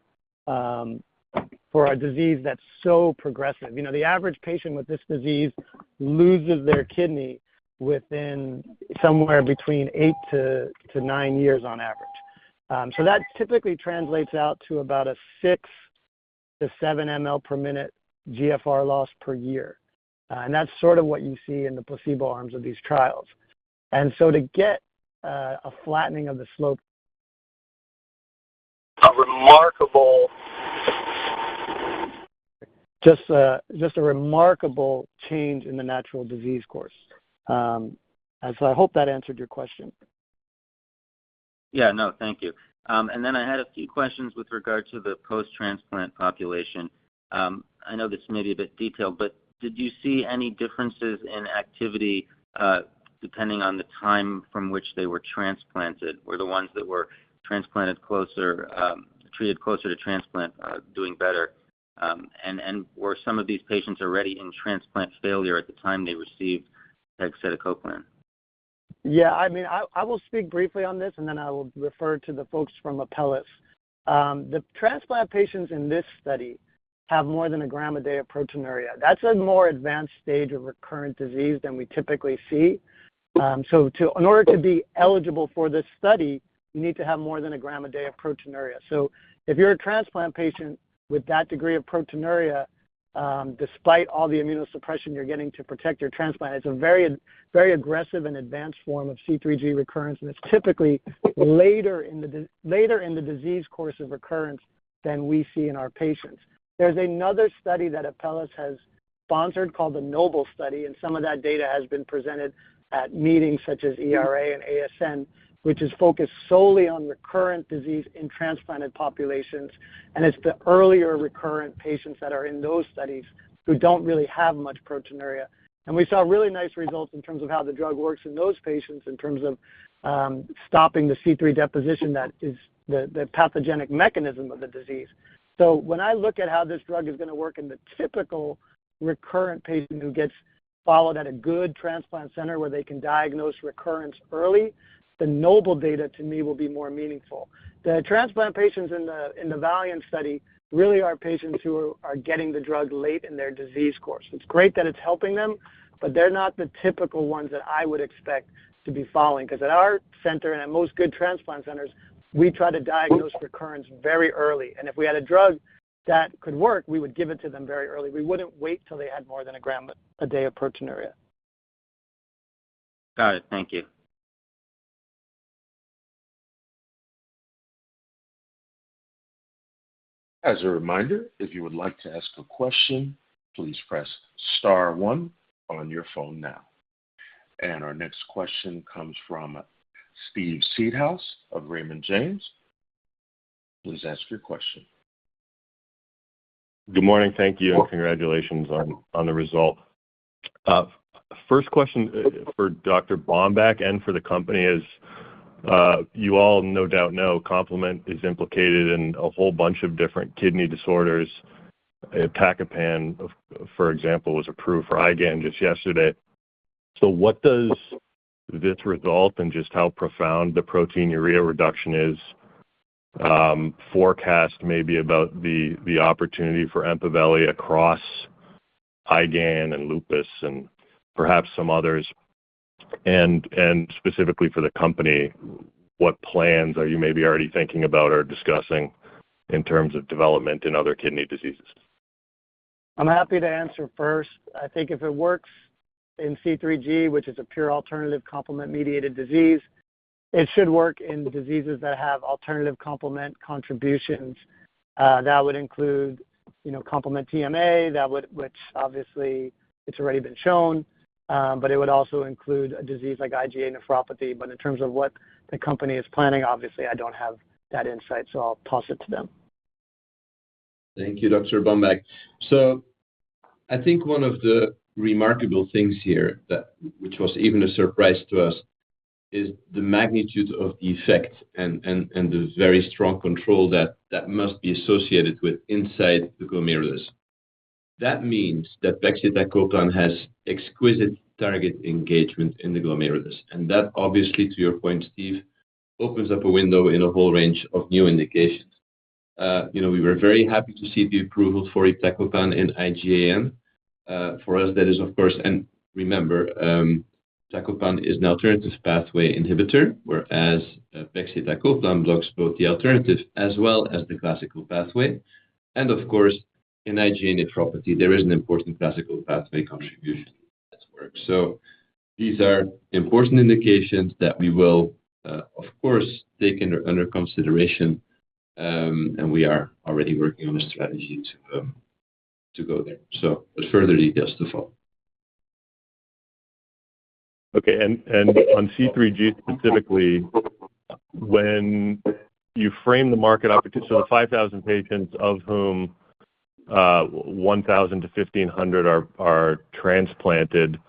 for a disease that's so progressive. You know, the average patient with this disease loses their kidney within somewhere between 8-9 years on average. So that typically translates out to about a 6-7 mL per minute GFR loss per year. And that's sort of what you see in the placebo arms of these trials. And so to get a flattening of the slope, a remarkable, just a remarkable change in the natural disease course. And so I hope that answered your question. Yeah, no, thank you. And then I had a few questions with regard to the post-transplant population. I know this may be a bit detailed, but did you see any differences in activity depending on the time from which they were transplanted? Were the ones that were transplanted closer, treated closer to transplant, doing better? And were some of these patients already in transplant failure at the time they received pegcetacoplan? Yeah, I mean, I will speak briefly on this, and then I will refer to the folks from Apellis. The transplant patients in this study have more than 1 gram a day of proteinuria. That's a more advanced stage of recurrent disease than we typically see. So in order to be eligible for this study, you need to have more than 1 gram a day of proteinuria. So if you're a transplant patient with that degree of proteinuria, despite all the immunosuppression you're getting to protect your transplant, it's a very, very aggressive and advanced form of C3G recurrence, and it's typically later in the disease course of recurrence than we see in our patients. There's another study that Apellis has sponsored called the NOBLE Study, and some of that data has been presented at meetings such as ERA and ASN, which is focused solely on recurrent disease in transplanted populations. It's the earlier recurrent patients that are in those studies who don't really have much proteinuria. We saw really nice results in terms of how the drug works in those patients, in terms of stopping the C3 deposition that is the pathogenic mechanism of the disease. When I look at how this drug is gonna work in the typical recurrent patient who gets followed at a good transplant center where they can diagnose recurrence early, the NOBLE data to me will be more meaningful. The transplant patients in the VALIANT study really are patients who are getting the drug late in their disease course. It's great that it's helping them, but they're not the typical ones that I would expect to be following. 'Cause at our center and at most good transplant centers, we try to diagnose recurrence very early, and if we had a drug that could work, we would give it to them very early. We wouldn't wait till they had more than a gram a day of proteinuria. Got it. Thank you. As a reminder, if you would like to ask a question, please press star one on your phone now. Our next question comes from Steve Seedhouse of Raymond James. Please ask your question.... Good morning. Thank you, and congratulations on the result. First question for Dr. Bomback and for the company is, you all no doubt know complement is implicated in a whole bunch of different kidney disorders. Iptacopan, for example, was approved for IgAN just yesterday. So what does this result and just how profound the proteinuria reduction is forecast maybe about the opportunity for EMPAVELI across IgAN and lupus and perhaps some others? And specifically for the company, what plans are you maybe already thinking about or discussing in terms of development in other kidney diseases? I'm happy to answer first. I think if it works in C3G, which is a pure alternative complement-mediated disease, it should work in diseases that have alternative complement contributions. That would include, you know, complement TMA, which obviously it's already been shown, but it would also include a disease like IgA nephropathy. But in terms of what the company is planning, obviously I don't have that insight, so I'll toss it to them. Thank you, Dr. Bomback. So I think one of the remarkable things here that, which was even a surprise to us, is the magnitude of the effect and the very strong control that must be associated with inside the glomerulus. That means that pegcetacoplan has exquisite target engagement in the glomerulus, and that, obviously, to your point, Steve, opens up a window in a whole range of new indications. You know, we were very happy to see the approval for iptacopan in IgAN. For us, that is, of course... And remember, iptacopan is an alternative pathway inhibitor, whereas pegcetacoplan blocks both the alternative as well as the classical pathway. And of course, in IgA nephropathy, there is an important classical pathway contribution that works. So these are important indications that we will, of course, take under consideration, and we are already working on a strategy to go there. But further details to follow. Okay, and on C3G specifically, when you frame the market opportunity, so the 5,000 patients of whom 1,000-1,500 are transplanted,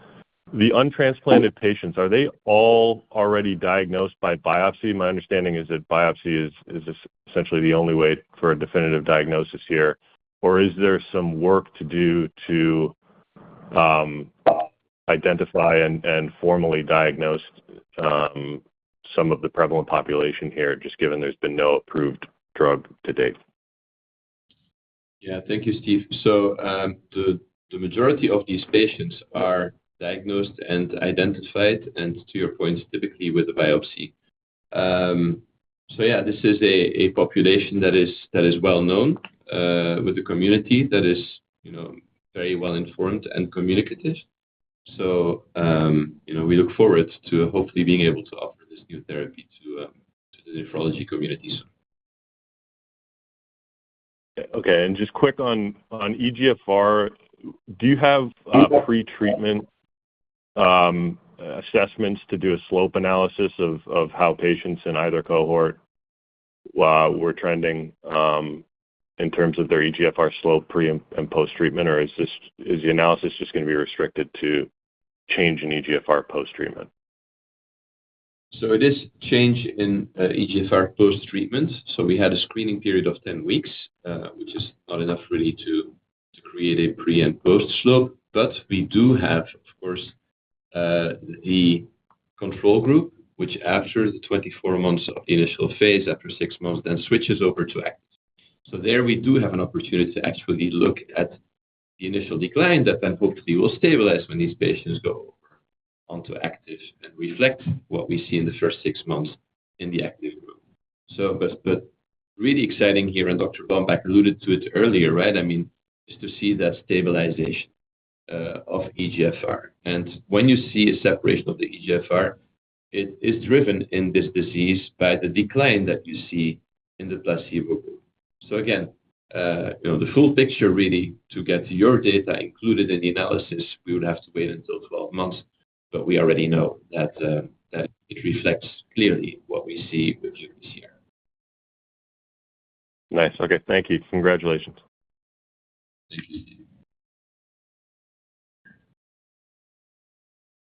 the untransplanted patients, are they all already diagnosed by biopsy? My understanding is that biopsy is essentially the only way for a definitive diagnosis here. Or is there some work to do to identify and formally diagnose some of the prevalent population here, just given there's been no approved drug to date? Yeah. Thank you, Steve. So, the majority of these patients are diagnosed and identified, and to your point, specifically with the biopsy. So yeah, this is a population that is well known with the community, that is, you know, very well informed and communicative. So, you know, we look forward to hopefully being able to offer this new therapy to the nephrology communities. Okay, and just quick on eGFR, do you have pretreatment assessments to do a slope analysis of how patients in either cohort were trending in terms of their eGFR slope pre and post-treatment? Or is the analysis just going to be restricted to change in eGFR post-treatment? So it is change in eGFR post-treatment. So we had a screening period of 10 weeks, which is not enough really to create a pre and post slope. But we do have, of course, the control group, which after the 24 months of the initial phase, after six months, then switches over to active. So there we do have an opportunity to actually look at the initial decline that then hopefully will stabilize when these patients go over onto active and reflect what we see in the first six months in the active group. So but, but really exciting here, and Dr. Bomback alluded to it earlier, right? I mean, is to see that stabilization of eGFR. And when you see a separation of the eGFR, it is driven in this disease by the decline that you see in the placebo group. So again, you know, the full picture really to get your data included in the analysis, we would have to wait until 12 months, but we already know that, that it reflects clearly what we see with you this year. Nice. Okay, thank you. Congratulations. Thank you.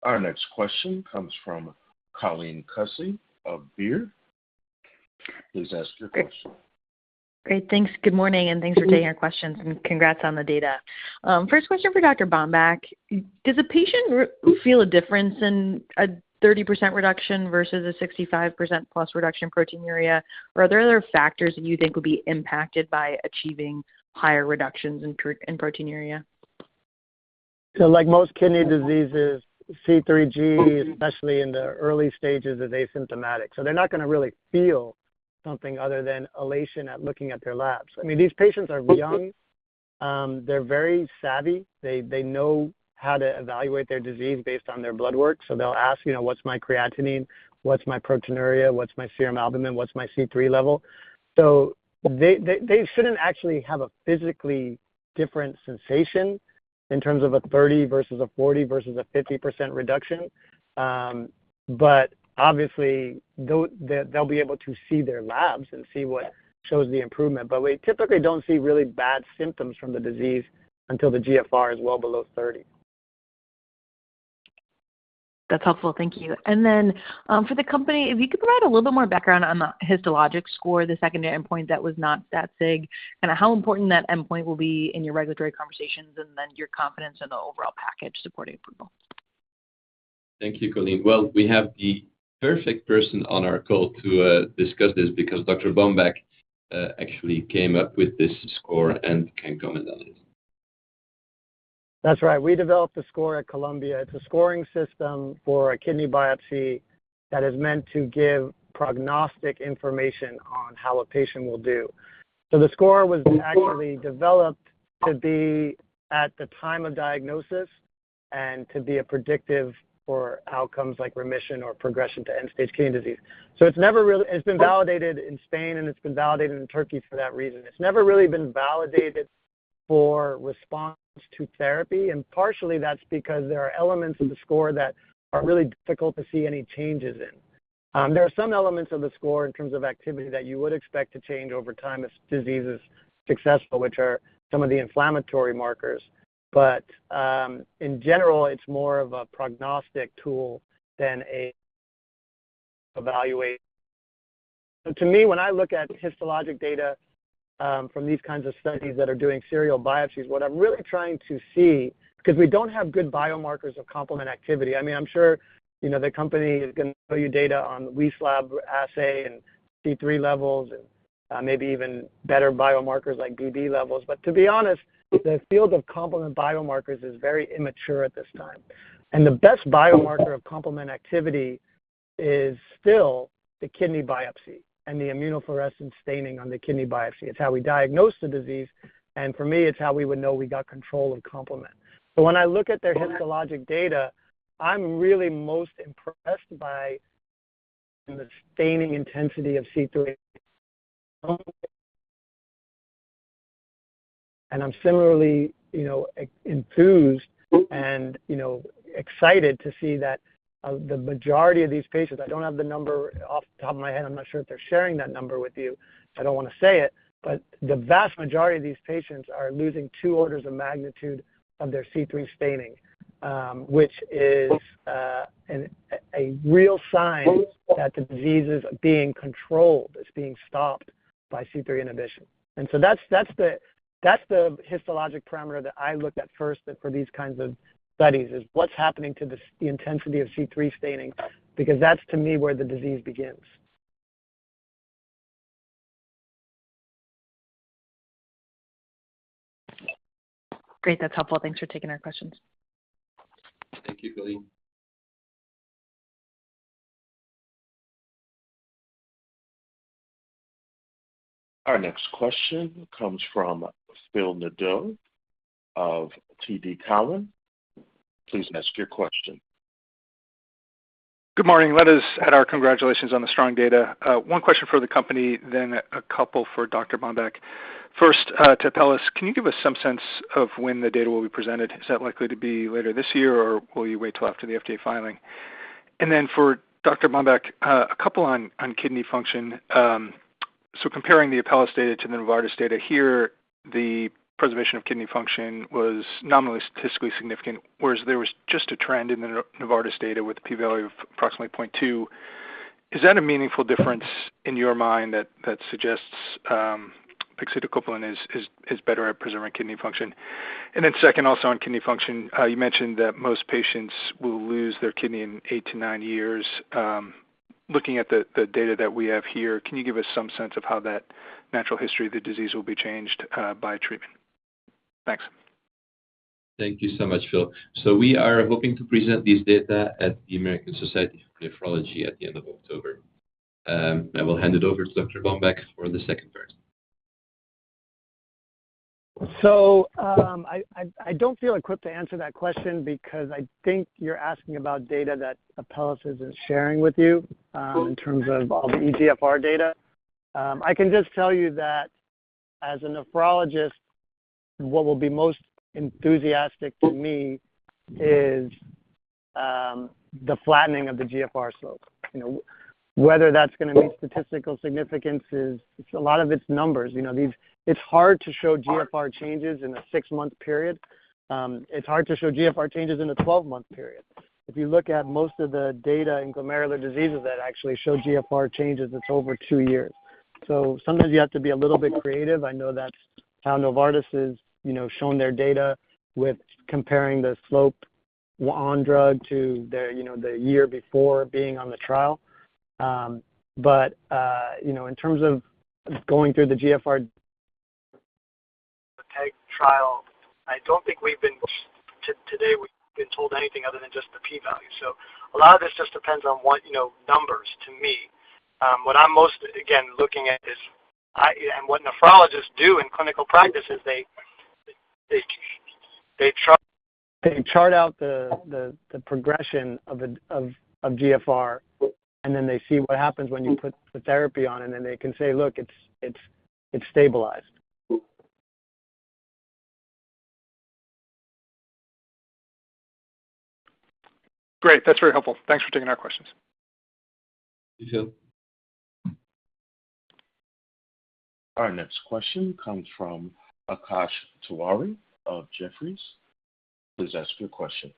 Our next question comes from Colleen Kusy of Baird. Please ask your question. Great. Thanks. Good morning, and thanks for taking our questions, and congrats on the data. First question for Dr. Bomback. Does a patient feel a difference in a 30% reduction versus a 65%+ reduction in proteinuria, or are there other factors that you think will be impacted by achieving higher reductions in proteinuria? So like most kidney diseases, C3G, especially in the early stages, are asymptomatic, so they're not going to really feel something other than elation at looking at their labs. I mean, these patients are young. They're very savvy. They know how to evaluate their disease based on their blood work. So they'll ask, you know, "What's my creatinine? What's my proteinuria? What's my serum albumin? What's my C3 level?" So they shouldn't actually have a physically different sensation in terms of a 30 versus a 40 versus a 50% reduction. But obviously, they'll be able to see their labs and see what shows the improvement. But we typically don't see really bad symptoms from the disease until the GFR is well below 30.... That's helpful. Thank you. And then, for the company, if you could provide a little bit more background on the histologic score, the secondary endpoint that was not that sig, and how important that endpoint will be in your regulatory conversations, and then your confidence in the overall package supporting approval? Thank you, Colleen. Well, we have the perfect person on our call to discuss this because Dr. Bomback actually came up with this score and can comment on it. That's right. We developed a score at Columbia. It's a scoring system for a kidney biopsy that is meant to give prognostic information on how a patient will do. So the score was actually developed to be at the time of diagnosis and to be a predictive for outcomes like remission or progression to end-stage kidney disease. So it's never really... It's been validated in Spain, and it's been validated in Turkey for that reason. It's never really been validated for response to therapy, and partially that's because there are elements of the score that are really difficult to see any changes in. There are some elements of the score in terms of activity that you would expect to change over time as disease is successful, which are some of the inflammatory markers. But, in general, it's more of a prognostic tool than a evaluate. So to me, when I look at histologic data, from these kinds of studies that are doing serial biopsies, what I'm really trying to see, because we don't have good biomarkers of complement activity. I mean, I'm sure, you know, the company is going to show you data on the Wieslab assay and C3 levels and, maybe even better biomarkers like GD levels. But to be honest, the field of complement biomarkers is very immature at this time. And the best biomarker of complement activity is still the kidney biopsy and the immunofluorescence staining on the kidney biopsy. It's how we diagnose the disease, and for me, it's how we would know we got control of complement. So when I look at their histologic data, I'm really most impressed by the staining intensity of C3. I'm similarly, you know, enthused and, you know, excited to see that the majority of these patients, I don't have the number off the top of my head. I'm not sure if they're sharing that number with you. I don't want to say it, but the vast majority of these patients are losing two orders of magnitude of their C3 staining, which is a real sign that the disease is being controlled, it's being stopped by C3 inhibition. And so that's, that's the histologic parameter that I look at first for these kinds of studies, is what's happening to the intensity of C3 staining, because that's, to me, where the disease begins. Great. That's helpful. Thanks for taking our questions. Thank you, Colleen. Our next question comes from Phil Nadeau of TD Cowen. Please ask your question. Good morning. Let us add our congratulations on the strong data. One question for the company, then a couple for Dr. Bomback. First, to Apellis, can you give us some sense of when the data will be presented? Is that likely to be later this year, or will you wait till after the FDA filing? And then for Dr. Bomback, a couple on kidney function. So comparing the Apellis data to the Novartis data, here, the preservation of kidney function was nominally statistically significant, whereas there was just a trend in the Novartis data with a p-value of approximately 0.2. Is that a meaningful difference in your mind that suggests pegcetacoplan is better at preserving kidney function? Then second, also on kidney function, you mentioned that most patients will lose their kidney in 8-9 years. Looking at the data that we have here, can you give us some sense of how that natural history of the disease will be changed by treatment? Thanks. Thank you so much, Phil. So we are hoping to present this data at the American Society of Nephrology at the end of October. I will hand it over to Dr. Bomback for the second part. I don't feel equipped to answer that question because I think you're asking about data that Apellis isn't sharing with you, in terms of eGFR data. I can just tell you that as a nephrologist, what will be most enthusiastic to me is the flattening of the GFR slope. You know, whether that's gonna meet statistical significance is, it's a lot of it's numbers. You know, these. It's hard to show GFR changes in a six-month period. It's hard to show GFR changes in a 12-month period. If you look at most of the data in glomerular diseases that actually show GFR changes, it's over two years. So sometimes you have to be a little bit creative. I know that's how Novartis is, you know, showing their data with comparing the slope on drug to the, you know, the year before being on the trial. But you know, in terms of going through the GFR trial, I don't think we've been today, we've been told anything other than just the p-value. So a lot of this just depends on what, you know, numbers to me. What I'm most again looking at is, I and what nephrologists do in clinical practice is they chart out the progression of GFR, and then they see what happens when you put the therapy on, and then they can say, "Look, it's stabilized. Great. That's very helpful. Thanks for taking our questions. Thank you, Phil. Our next question comes from Akash Tewari of Jefferies. Please ask your question.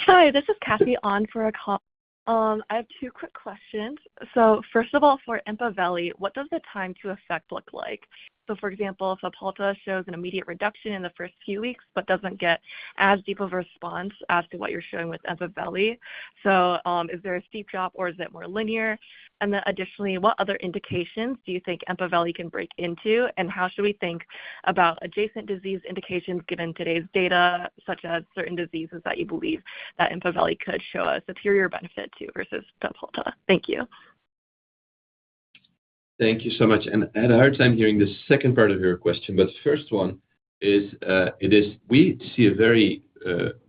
Hi, this is Kathy on for Akash. I have two quick questions. So first of all, for EMPAVELI, what does the time to effect look like? So for example, if Fabhalta shows an immediate reduction in the first few weeks, but doesn't get as deep of a response as to what you're showing with EMPAVELI. So, is there a steep drop or is it more linear? And then additionally, what other indications do you think EMPAVELI can break into, and how should we think about adjacent disease indications given today's data, such as certain diseases that you believe that EMPAVELI could show a superior benefit to versus Fabhalta? Thank you. Thank you so much, and I had a hard time hearing the second part of your question, but the first one is, it is we see a very,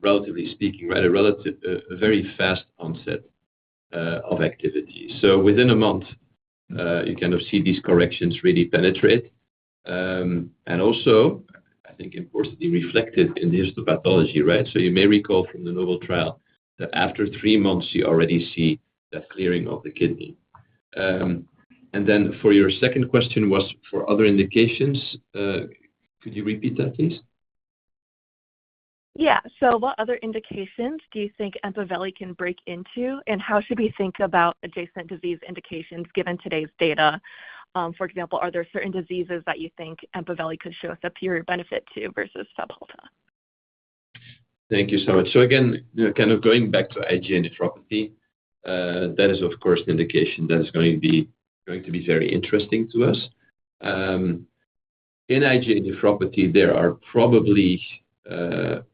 relatively speaking, right, a relative, a very fast onset, of activity. So within a month, you kind of see these corrections really penetrate. And also, I think importantly, reflected in the histopathology, right? So you may recall from the NOBLE trial that after three months, you already see the clearing of the kidney. And then for your second question was for other indications. Could you repeat that, please? Yeah. So what other indications do you think EMPAVELI can break into, and how should we think about adjacent disease indications given today's data? For example, are there certain diseases that you think EMPAVELI could show a superior benefit to versus Aspaveli? Thank you so much. So again, kind of going back to IgA nephropathy, that is, of course, the indication that is going to be very interesting to us. In IgA nephropathy, there are probably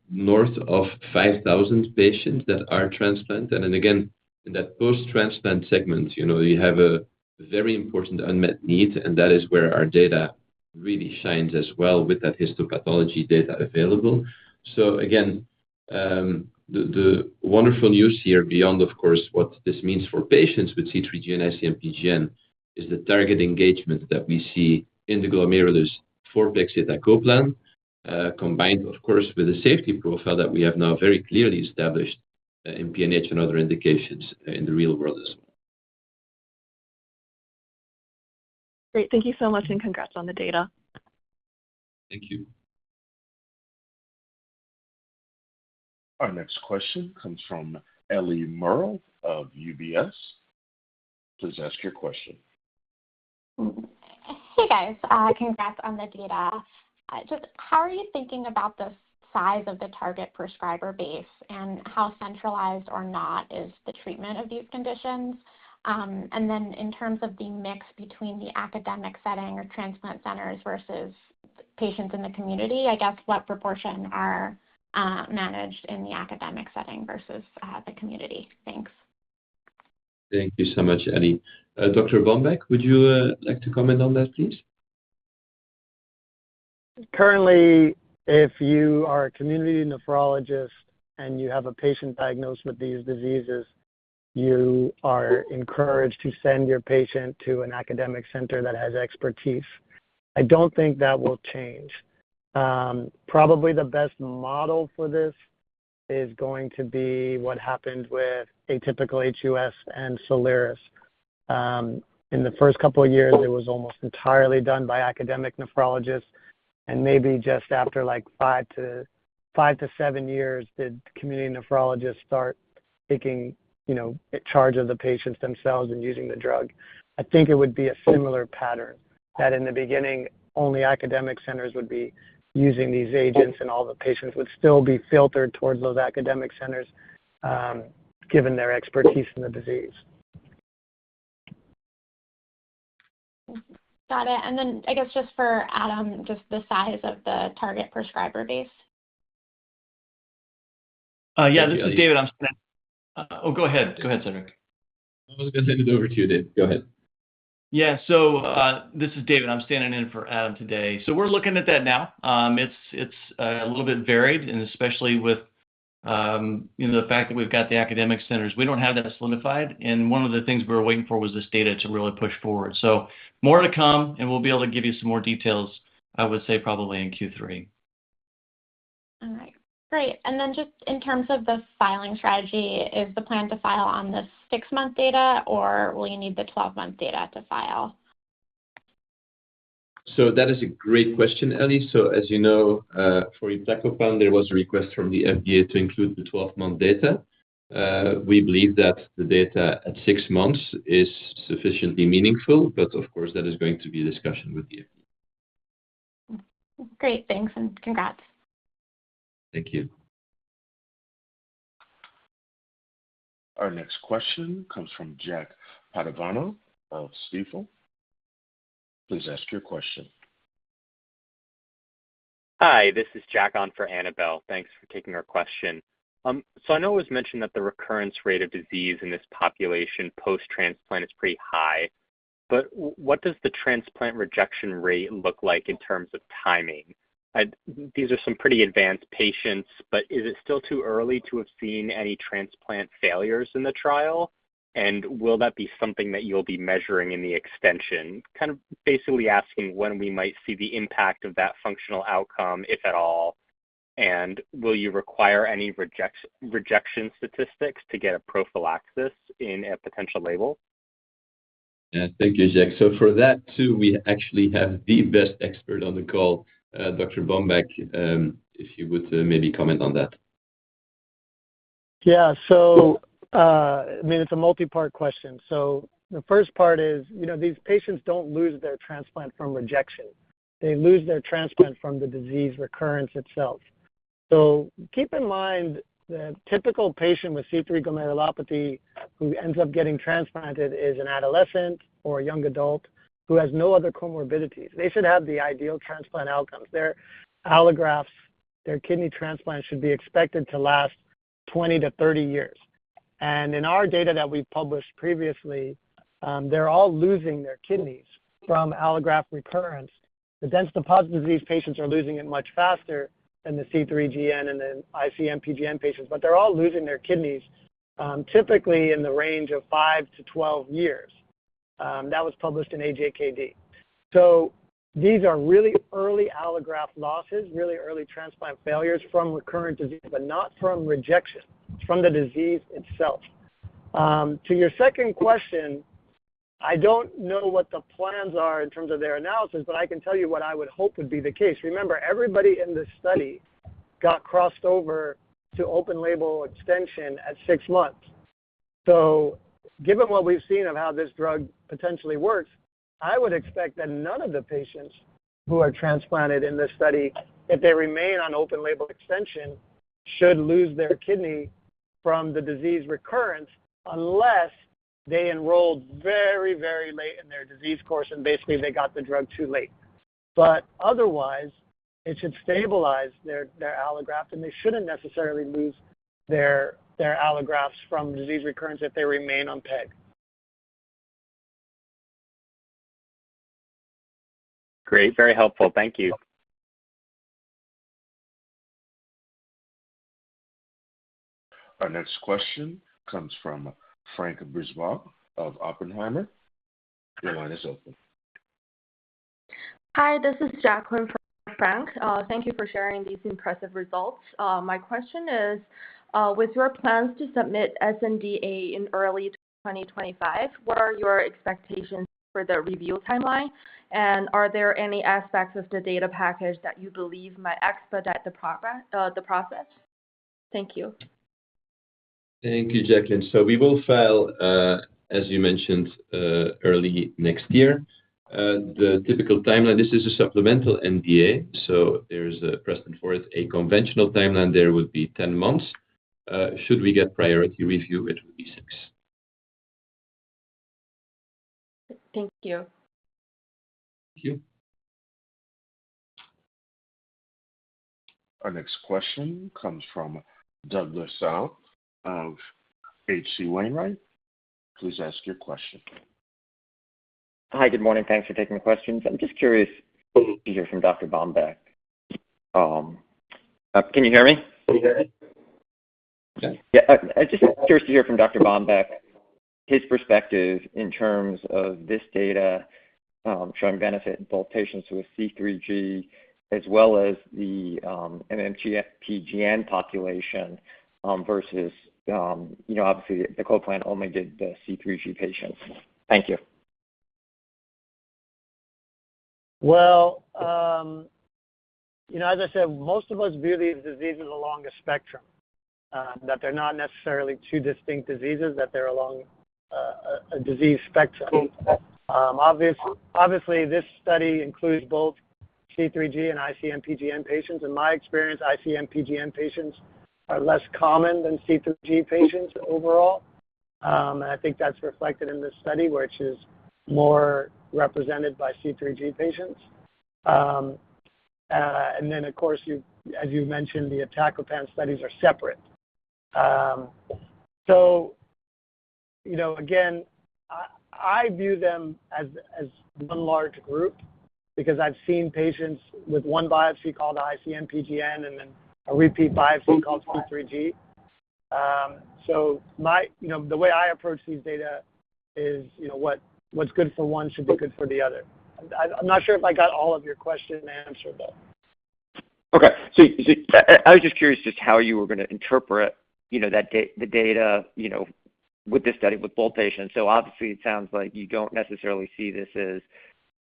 north of 5,000 patients that are transplant. And then again, in that post-transplant segment, you know, you have a very important unmet need, and that is where our data really shines as well with that histopathology data available. So again, the wonderful news here, beyond of course, what this means for patients with C3G and ICMPGN, is the target engagement that we see in the glomerulus for pegcetacoplan, combined, of course, with the safety profile that we have now very clearly established in PNH and other indications in the real world as well. Great. Thank you so much, and congrats on the data. Thank you. Our next question comes from Ellie Merle of UBS. Please ask your question. Hey, guys, congrats on the data. Just how are you thinking about the size of the target prescriber base and how centralized or not is the treatment of these conditions? And then in terms of the mix between the academic setting or transplant centers versus patients in the community, I guess, what proportion are managed in the academic setting versus the community? Thanks. Thank you so much, Ellie. Dr. Bomback, would you like to comment on that, please? Currently, if you are a community nephrologist and you have a patient diagnosed with these diseases, you are encouraged to send your patient to an academic center that has expertise. I don't think that will change. Probably the best model for this is going to be what happened with atypical HUS and Soliris. In the first couple of years, it was almost entirely done by academic nephrologists, and maybe just after like 5-7 years, did community nephrologists start taking, you know, charge of the patients themselves and using the drug. I think it would be a similar pattern. That in the beginning, only academic centers would be using these agents, and all the patients would still be filtered towards those academic centers, given their expertise in the disease. Got it. Then I guess just for Adam, just the size of the target prescriber base. Yeah, this is David. Oh, go ahead. Go ahead, Cedric. I was going to hand it over to you, Dave. Go ahead. Yeah. This is David. I'm standing in for Adam today. We're looking at that now. It's a little bit varied, and especially with, you know, the fact that we've got the academic centers. We don't have that as solidified, and one of the things we were waiting for was this data to really push forward. More to come, and we'll be able to give you some more details, I would say probably in Q3. All right, great. And then just in terms of the filing strategy, is the plan to file on the 6-month data or will you need the 12-month data to file? So that is a great question, Ellie. So as you know, for iptacopan, there was a request from the FDA to include the 12-month data. We believe that the data at six months is sufficiently meaningful, but of course, that is going to be a discussion with you. Great, thanks, and congrats. Thank you. Our next question comes from Jack Padovano of Stifel. Please ask your question. Hi, this is Jack on for Annabel. Thanks for taking our question. So I know it was mentioned that the recurrence rate of disease in this population, post-transplant, is pretty high, but what does the transplant rejection rate look like in terms of timing? These are some pretty advanced patients, but is it still too early to have seen any transplant failures in the trial? And will that be something that you'll be measuring in the extension? Kind of basically asking when we might see the impact of that functional outcome, if at all.... Will you require any rejection statistics to get a prophylaxis in a potential label? Yeah, thank you, Jack. So for that, too, we actually have the best expert on the call, Dr. Bomback, if you would, maybe comment on that. Yeah. So, I mean, it's a multi-part question. So the first part is, you know, these patients don't lose their transplant from rejection. They lose their transplant from the disease recurrence itself. So keep in mind, the typical patient with C3 glomerulopathy who ends up getting transplanted is an adolescent or a young adult who has no other comorbidities. They should have the ideal transplant outcomes. Their allografts, their kidney transplants, should be expected to last 20-30 years. And in our data that we've published previously, they're all losing their kidneys from allograft recurrence. The dense deposit disease patients are losing it much faster than the C3GN and the ICMPGN patients, but they're all losing their kidneys, typically in the range of 5-12 years. That was published in AJKD. So these are really early allograft losses, really early transplant failures from recurrent disease, but not from rejection, from the disease itself. To your second question, I don't know what the plans are in terms of their analysis, but I can tell you what I would hope would be the case. Remember, everybody in this study got crossed over to open-label extension at six months. So given what we've seen of how this drug potentially works, I would expect that none of the patients who are transplanted in this study, if they remain on open-label extension, should lose their kidney from the disease recurrence unless they enrolled very, very late in their disease course, and basically, they got the drug too late. But otherwise, it should stabilize their, their allograft, and they shouldn't necessarily lose their, their allografts from disease recurrence if they remain on peg. Great. Very helpful. Thank you. Our next question comes from Frank Brisebois of Oppenheimer. Your line is open. Hi, this is Jacqueline for Frank. Thank you for sharing these impressive results. My question is, with your plans to submit sNDA in early 2025, what are your expectations for the review timeline? And are there any aspects of the data package that you believe might expedite the progress, the process? Thank you. Thank you, Jacqueline. So we will file, as you mentioned, early next year. The typical timeline, this is a supplemental NDA, so there is a precedent for it. A conventional timeline there would be 10 months. Should we get priority review, it would be six. Thank you. Thank you. Our next question comes from Douglas Tsao of HC Wainwright. Please ask your question. Hi, good morning. Thanks for taking the questions. I'm just curious to hear from Dr. Bomback. Can you hear me? Can you hear me? Okay. Yeah, I just curious to hear from Dr. Bomback, his perspective in terms of this data showing benefit in both patients with C3G as well as the ICMPGN population versus, you know, obviously, the Iptacopan only did the C3G patients. Thank you. Well, you know, as I said, most of us view these diseases along a spectrum, that they're not necessarily two distinct diseases, that they're along a disease spectrum. Obviously, this study includes both C3G and ICMPGN patients. In my experience, ICMPGN patients are less common than C3G patients overall. And I think that's reflected in this study, which is more represented by C3G patients. And then, of course, you, as you've mentioned, the iptacopan studies are separate. So, you know, again, I view them as one large group because I've seen patients with one biopsy called ICMPGN and then a repeat biopsy called C3G. So my... You know, the way I approach these data is, you know, what's good for one should be good for the other. I'm not sure if I got all of your question answered, but. Okay. So I was just curious just how you were gonna interpret, you know, that the data, you know, with this study with both patients. So obviously, it sounds like you don't necessarily see this as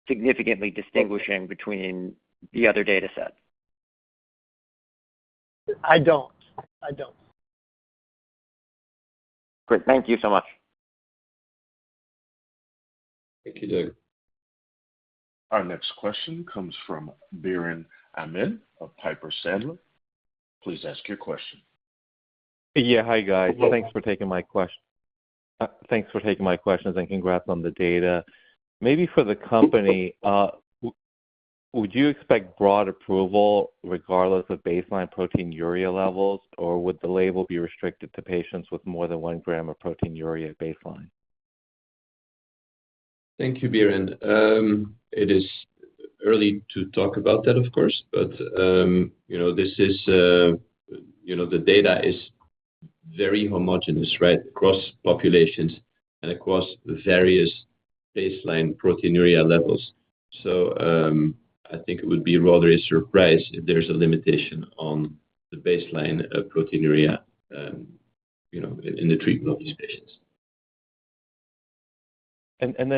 significantly distinguishing between the other dataset. I don't. I don't. Great. Thank you so much. Thank you, too. Our next question comes from Biren Amin of Piper Sandler. Please ask your question. Yeah. Hi, guys. Hello. Thanks for taking my questions, and congrats on the data. Maybe for the company, would you expect broad approval regardless of baseline proteinuria levels, or would the label be restricted to patients with more than 1 g of proteinuria baseline? Thank you, Biren. It is early to talk about that, of course, but, you know, this is, you know, the data is very homogeneous, right? Across populations and across various baseline proteinuria levels. So, I think it would be rather a surprise if there's a limitation on the baseline of proteinuria, you know, in, in the treatment of these patients.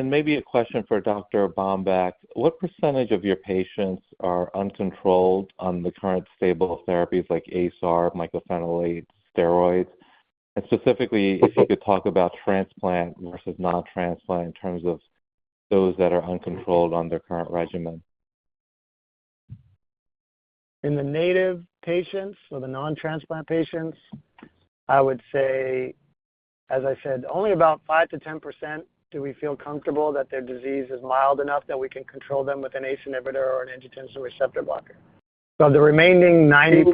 Maybe a question for Dr. Bomback. What percentage of your patients are uncontrolled on the current stable therapies like ACEI, mycophenolate, steroids? And specifically, if you could talk about transplant versus non-transplant in terms of those that are uncontrolled on their current regimen. In the native patients or the non-transplant patients, I would say, as I said, only about 5%-10% do we feel comfortable that their disease is mild enough that we can control them with an ACE inhibitor or an angiotensin receptor blocker. So of the remaining 90%,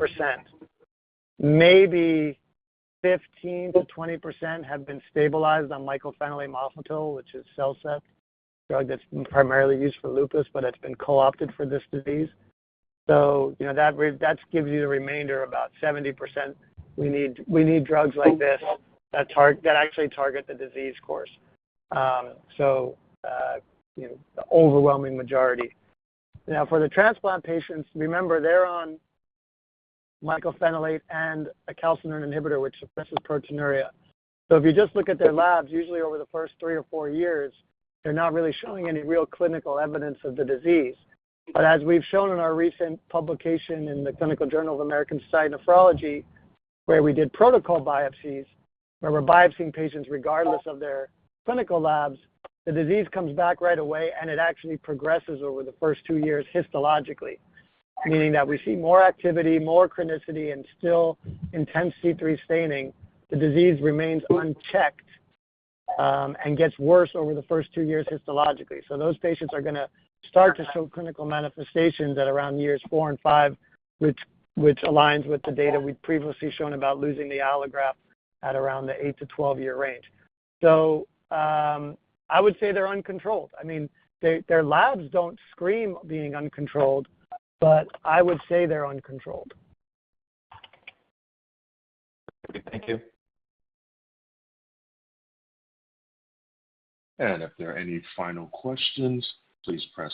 maybe 15%-20% have been stabilized on mycophenolate mofetil, which is CellCept, a drug that's primarily used for lupus, but it's been co-opted for this disease. So, you know, that gives you the remainder, about 70%, we need, we need drugs like this that actually target the disease course. So, you know, the overwhelming majority. Now, for the transplant patients, remember, they're on mycophenolate and a calcineurin inhibitor, which suppresses proteinuria. So if you just look at their labs, usually over the first three or four 4 years, they're not really showing any real clinical evidence of the disease. But as we've shown in our recent publication in the Clinical Journal of the American Society of Nephrology, where we did protocol biopsies, where we're biopsying patients regardless of their clinical labs, the disease comes back right away, and it actually progresses over the first two years histologically. Meaning that we see more activity, more chronicity, and still intense C3 staining. The disease remains unchecked, and gets worse over the first two years histologically. So those patients are gonna start to show clinical manifestations at around years four and five, which aligns with the data we've previously shown about losing the allograft at around the 8- to 12-year range. So, I would say they're uncontrolled. I mean, they... Their labs don't scream being uncontrolled, but I would say they're uncontrolled. Thank you. If there are any final questions, please press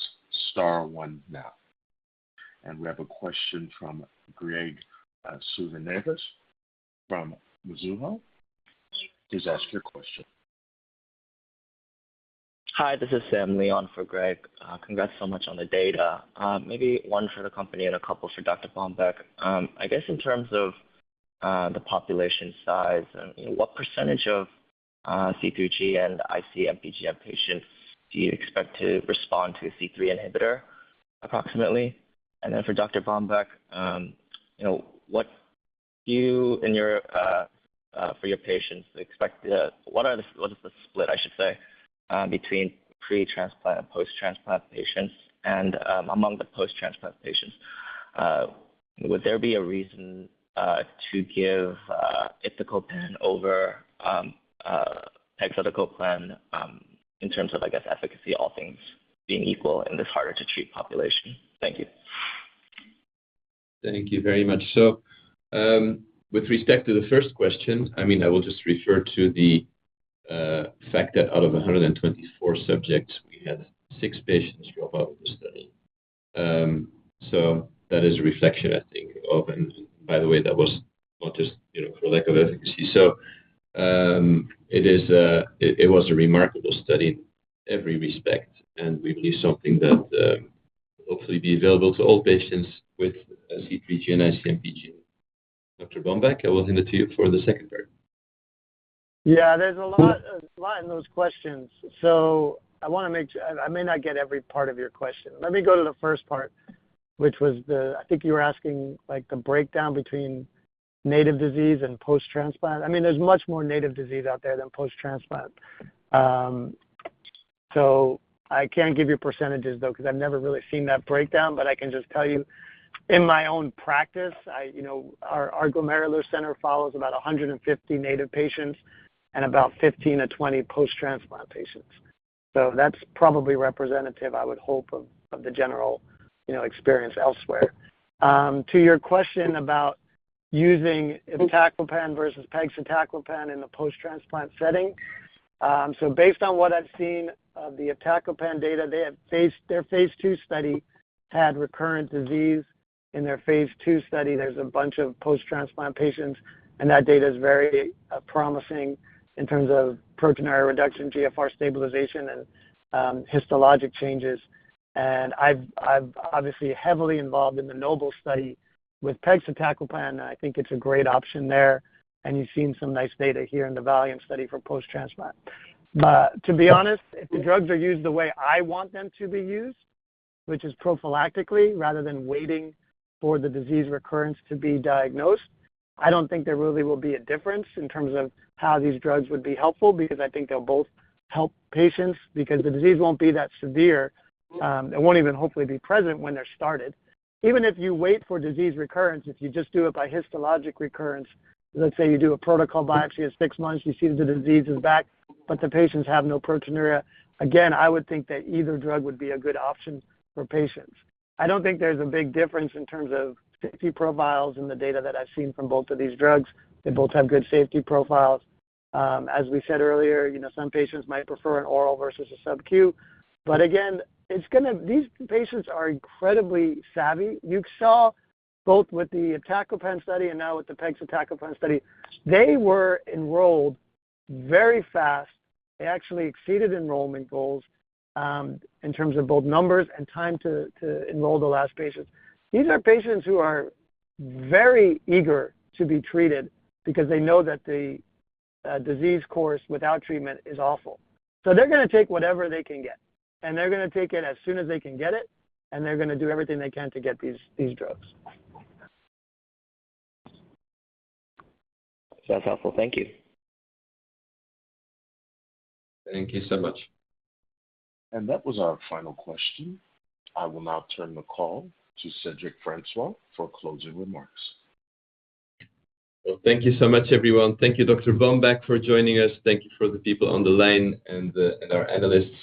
star one now. We have a question from Gregg Suvannavejh from Mizuho. Please ask your question. Hi, this is Sam Lee for Gregg. Congrats so much on the data. Maybe one for the company and a couple for Dr. Bomback. I guess in terms of the population size and, you know, what percentage of C3G and ICMPGN patients do you expect to respond to a C3 inhibitor, approximately? And then for Dr. Bomback, you know, what do you, in your, for your patients, expect, what is the split, I should say, between pre-transplant and post-transplant patients? And, among the post-transplant patients, would there be a reason to give iptacopan over pegcetacoplan, in terms of, I guess, efficacy, all things being equal in this harder-to-treat population? Thank you. Thank you very much. So, with respect to the first question, I mean, I will just refer to the fact that out of 124 subjects, we had six patients drop out of the study. So that is a reflection, I think, of and by the way, that was not just, you know, for lack of efficacy. So, it was a remarkable study in every respect, and we believe something that, hopefully be available to all patients with C3G and IC-MPGN. Dr. Bomback, I will hand it to you for the second part. Yeah, there's a lot, a lot in those questions. So I wanna make sure... I, I may not get every part of your question. Let me go to the first part, which was the, I think you were asking, like, the breakdown between native disease and post-transplant. I mean, there's much more native disease out there than post-transplant. So I can't give you percentages, though, 'cause I've never really seen that breakdown, but I can just tell you, in my own practice, I, you know, our, our Glomerulus Center follows about 150 native patients and about 15-20 post-transplant patients. So that's probably representative, I would hope, of, of the general, you know, experience elsewhere. To your question about using iptacopan versus pegcetacoplan in the post-transplant setting. So based on what I've seen of the iptacopan data, they have phase... Their phase 2 study had recurrent disease. In their phase 2 study, there's a bunch of post-transplant patients, and that data is very, promising in terms of proteinuria reduction, GFR stabilization, and, histologic changes. And I've, I've obviously heavily involved in the NOBLE study with pegcetacoplan, and I think it's a great option there, and you've seen some nice data here in the VALIANT study for post-transplant. But to be honest, if the drugs are used the way I want them to be used, which is prophylactically, rather than waiting for the disease recurrence to be diagnosed, I don't think there really will be a difference in terms of how these drugs would be helpful because I think they'll both help patients because the disease won't be that severe, and won't even hopefully be present when they're started. Even if you wait for disease recurrence, if you just do it by histologic recurrence, let's say you do a protocol biopsy at six months, you see the disease is back, but the patients have no proteinuria. Again, I would think that either drug would be a good option for patients. I don't think there's a big difference in terms of safety profiles in the data that I've seen from both of these drugs. They both have good safety profiles. As we said earlier, you know, some patients might prefer an oral versus a subQ. But again, it's gonna—these patients are incredibly savvy. You saw both with the iptacopan study and now with the pegcetacoplan study, they were enrolled very fast. They actually exceeded enrollment goals, in terms of both numbers and time to enroll the last patient. These are patients who are very eager to be treated because they know that the disease course without treatment is awful. So they're gonna take whatever they can get, and they're gonna take it as soon as they can get it, and they're gonna do everything they can to get these drugs. Sounds helpful. Thank you. Thank you so much. That was our final question. I will now turn the call to Cedric Francois for closing remarks. Well, thank you so much, everyone. Thank you, Dr. Bomback, for joining us. Thank you for the people on the line and our analysts.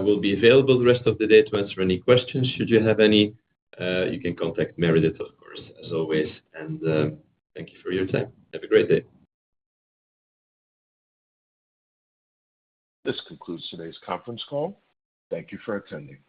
We'll be available the rest of the day to answer any questions should you have any. You can contact Meredith, of course, as always, and thank you for your time. Have a great day. This concludes today's conference call. Thank you for attending.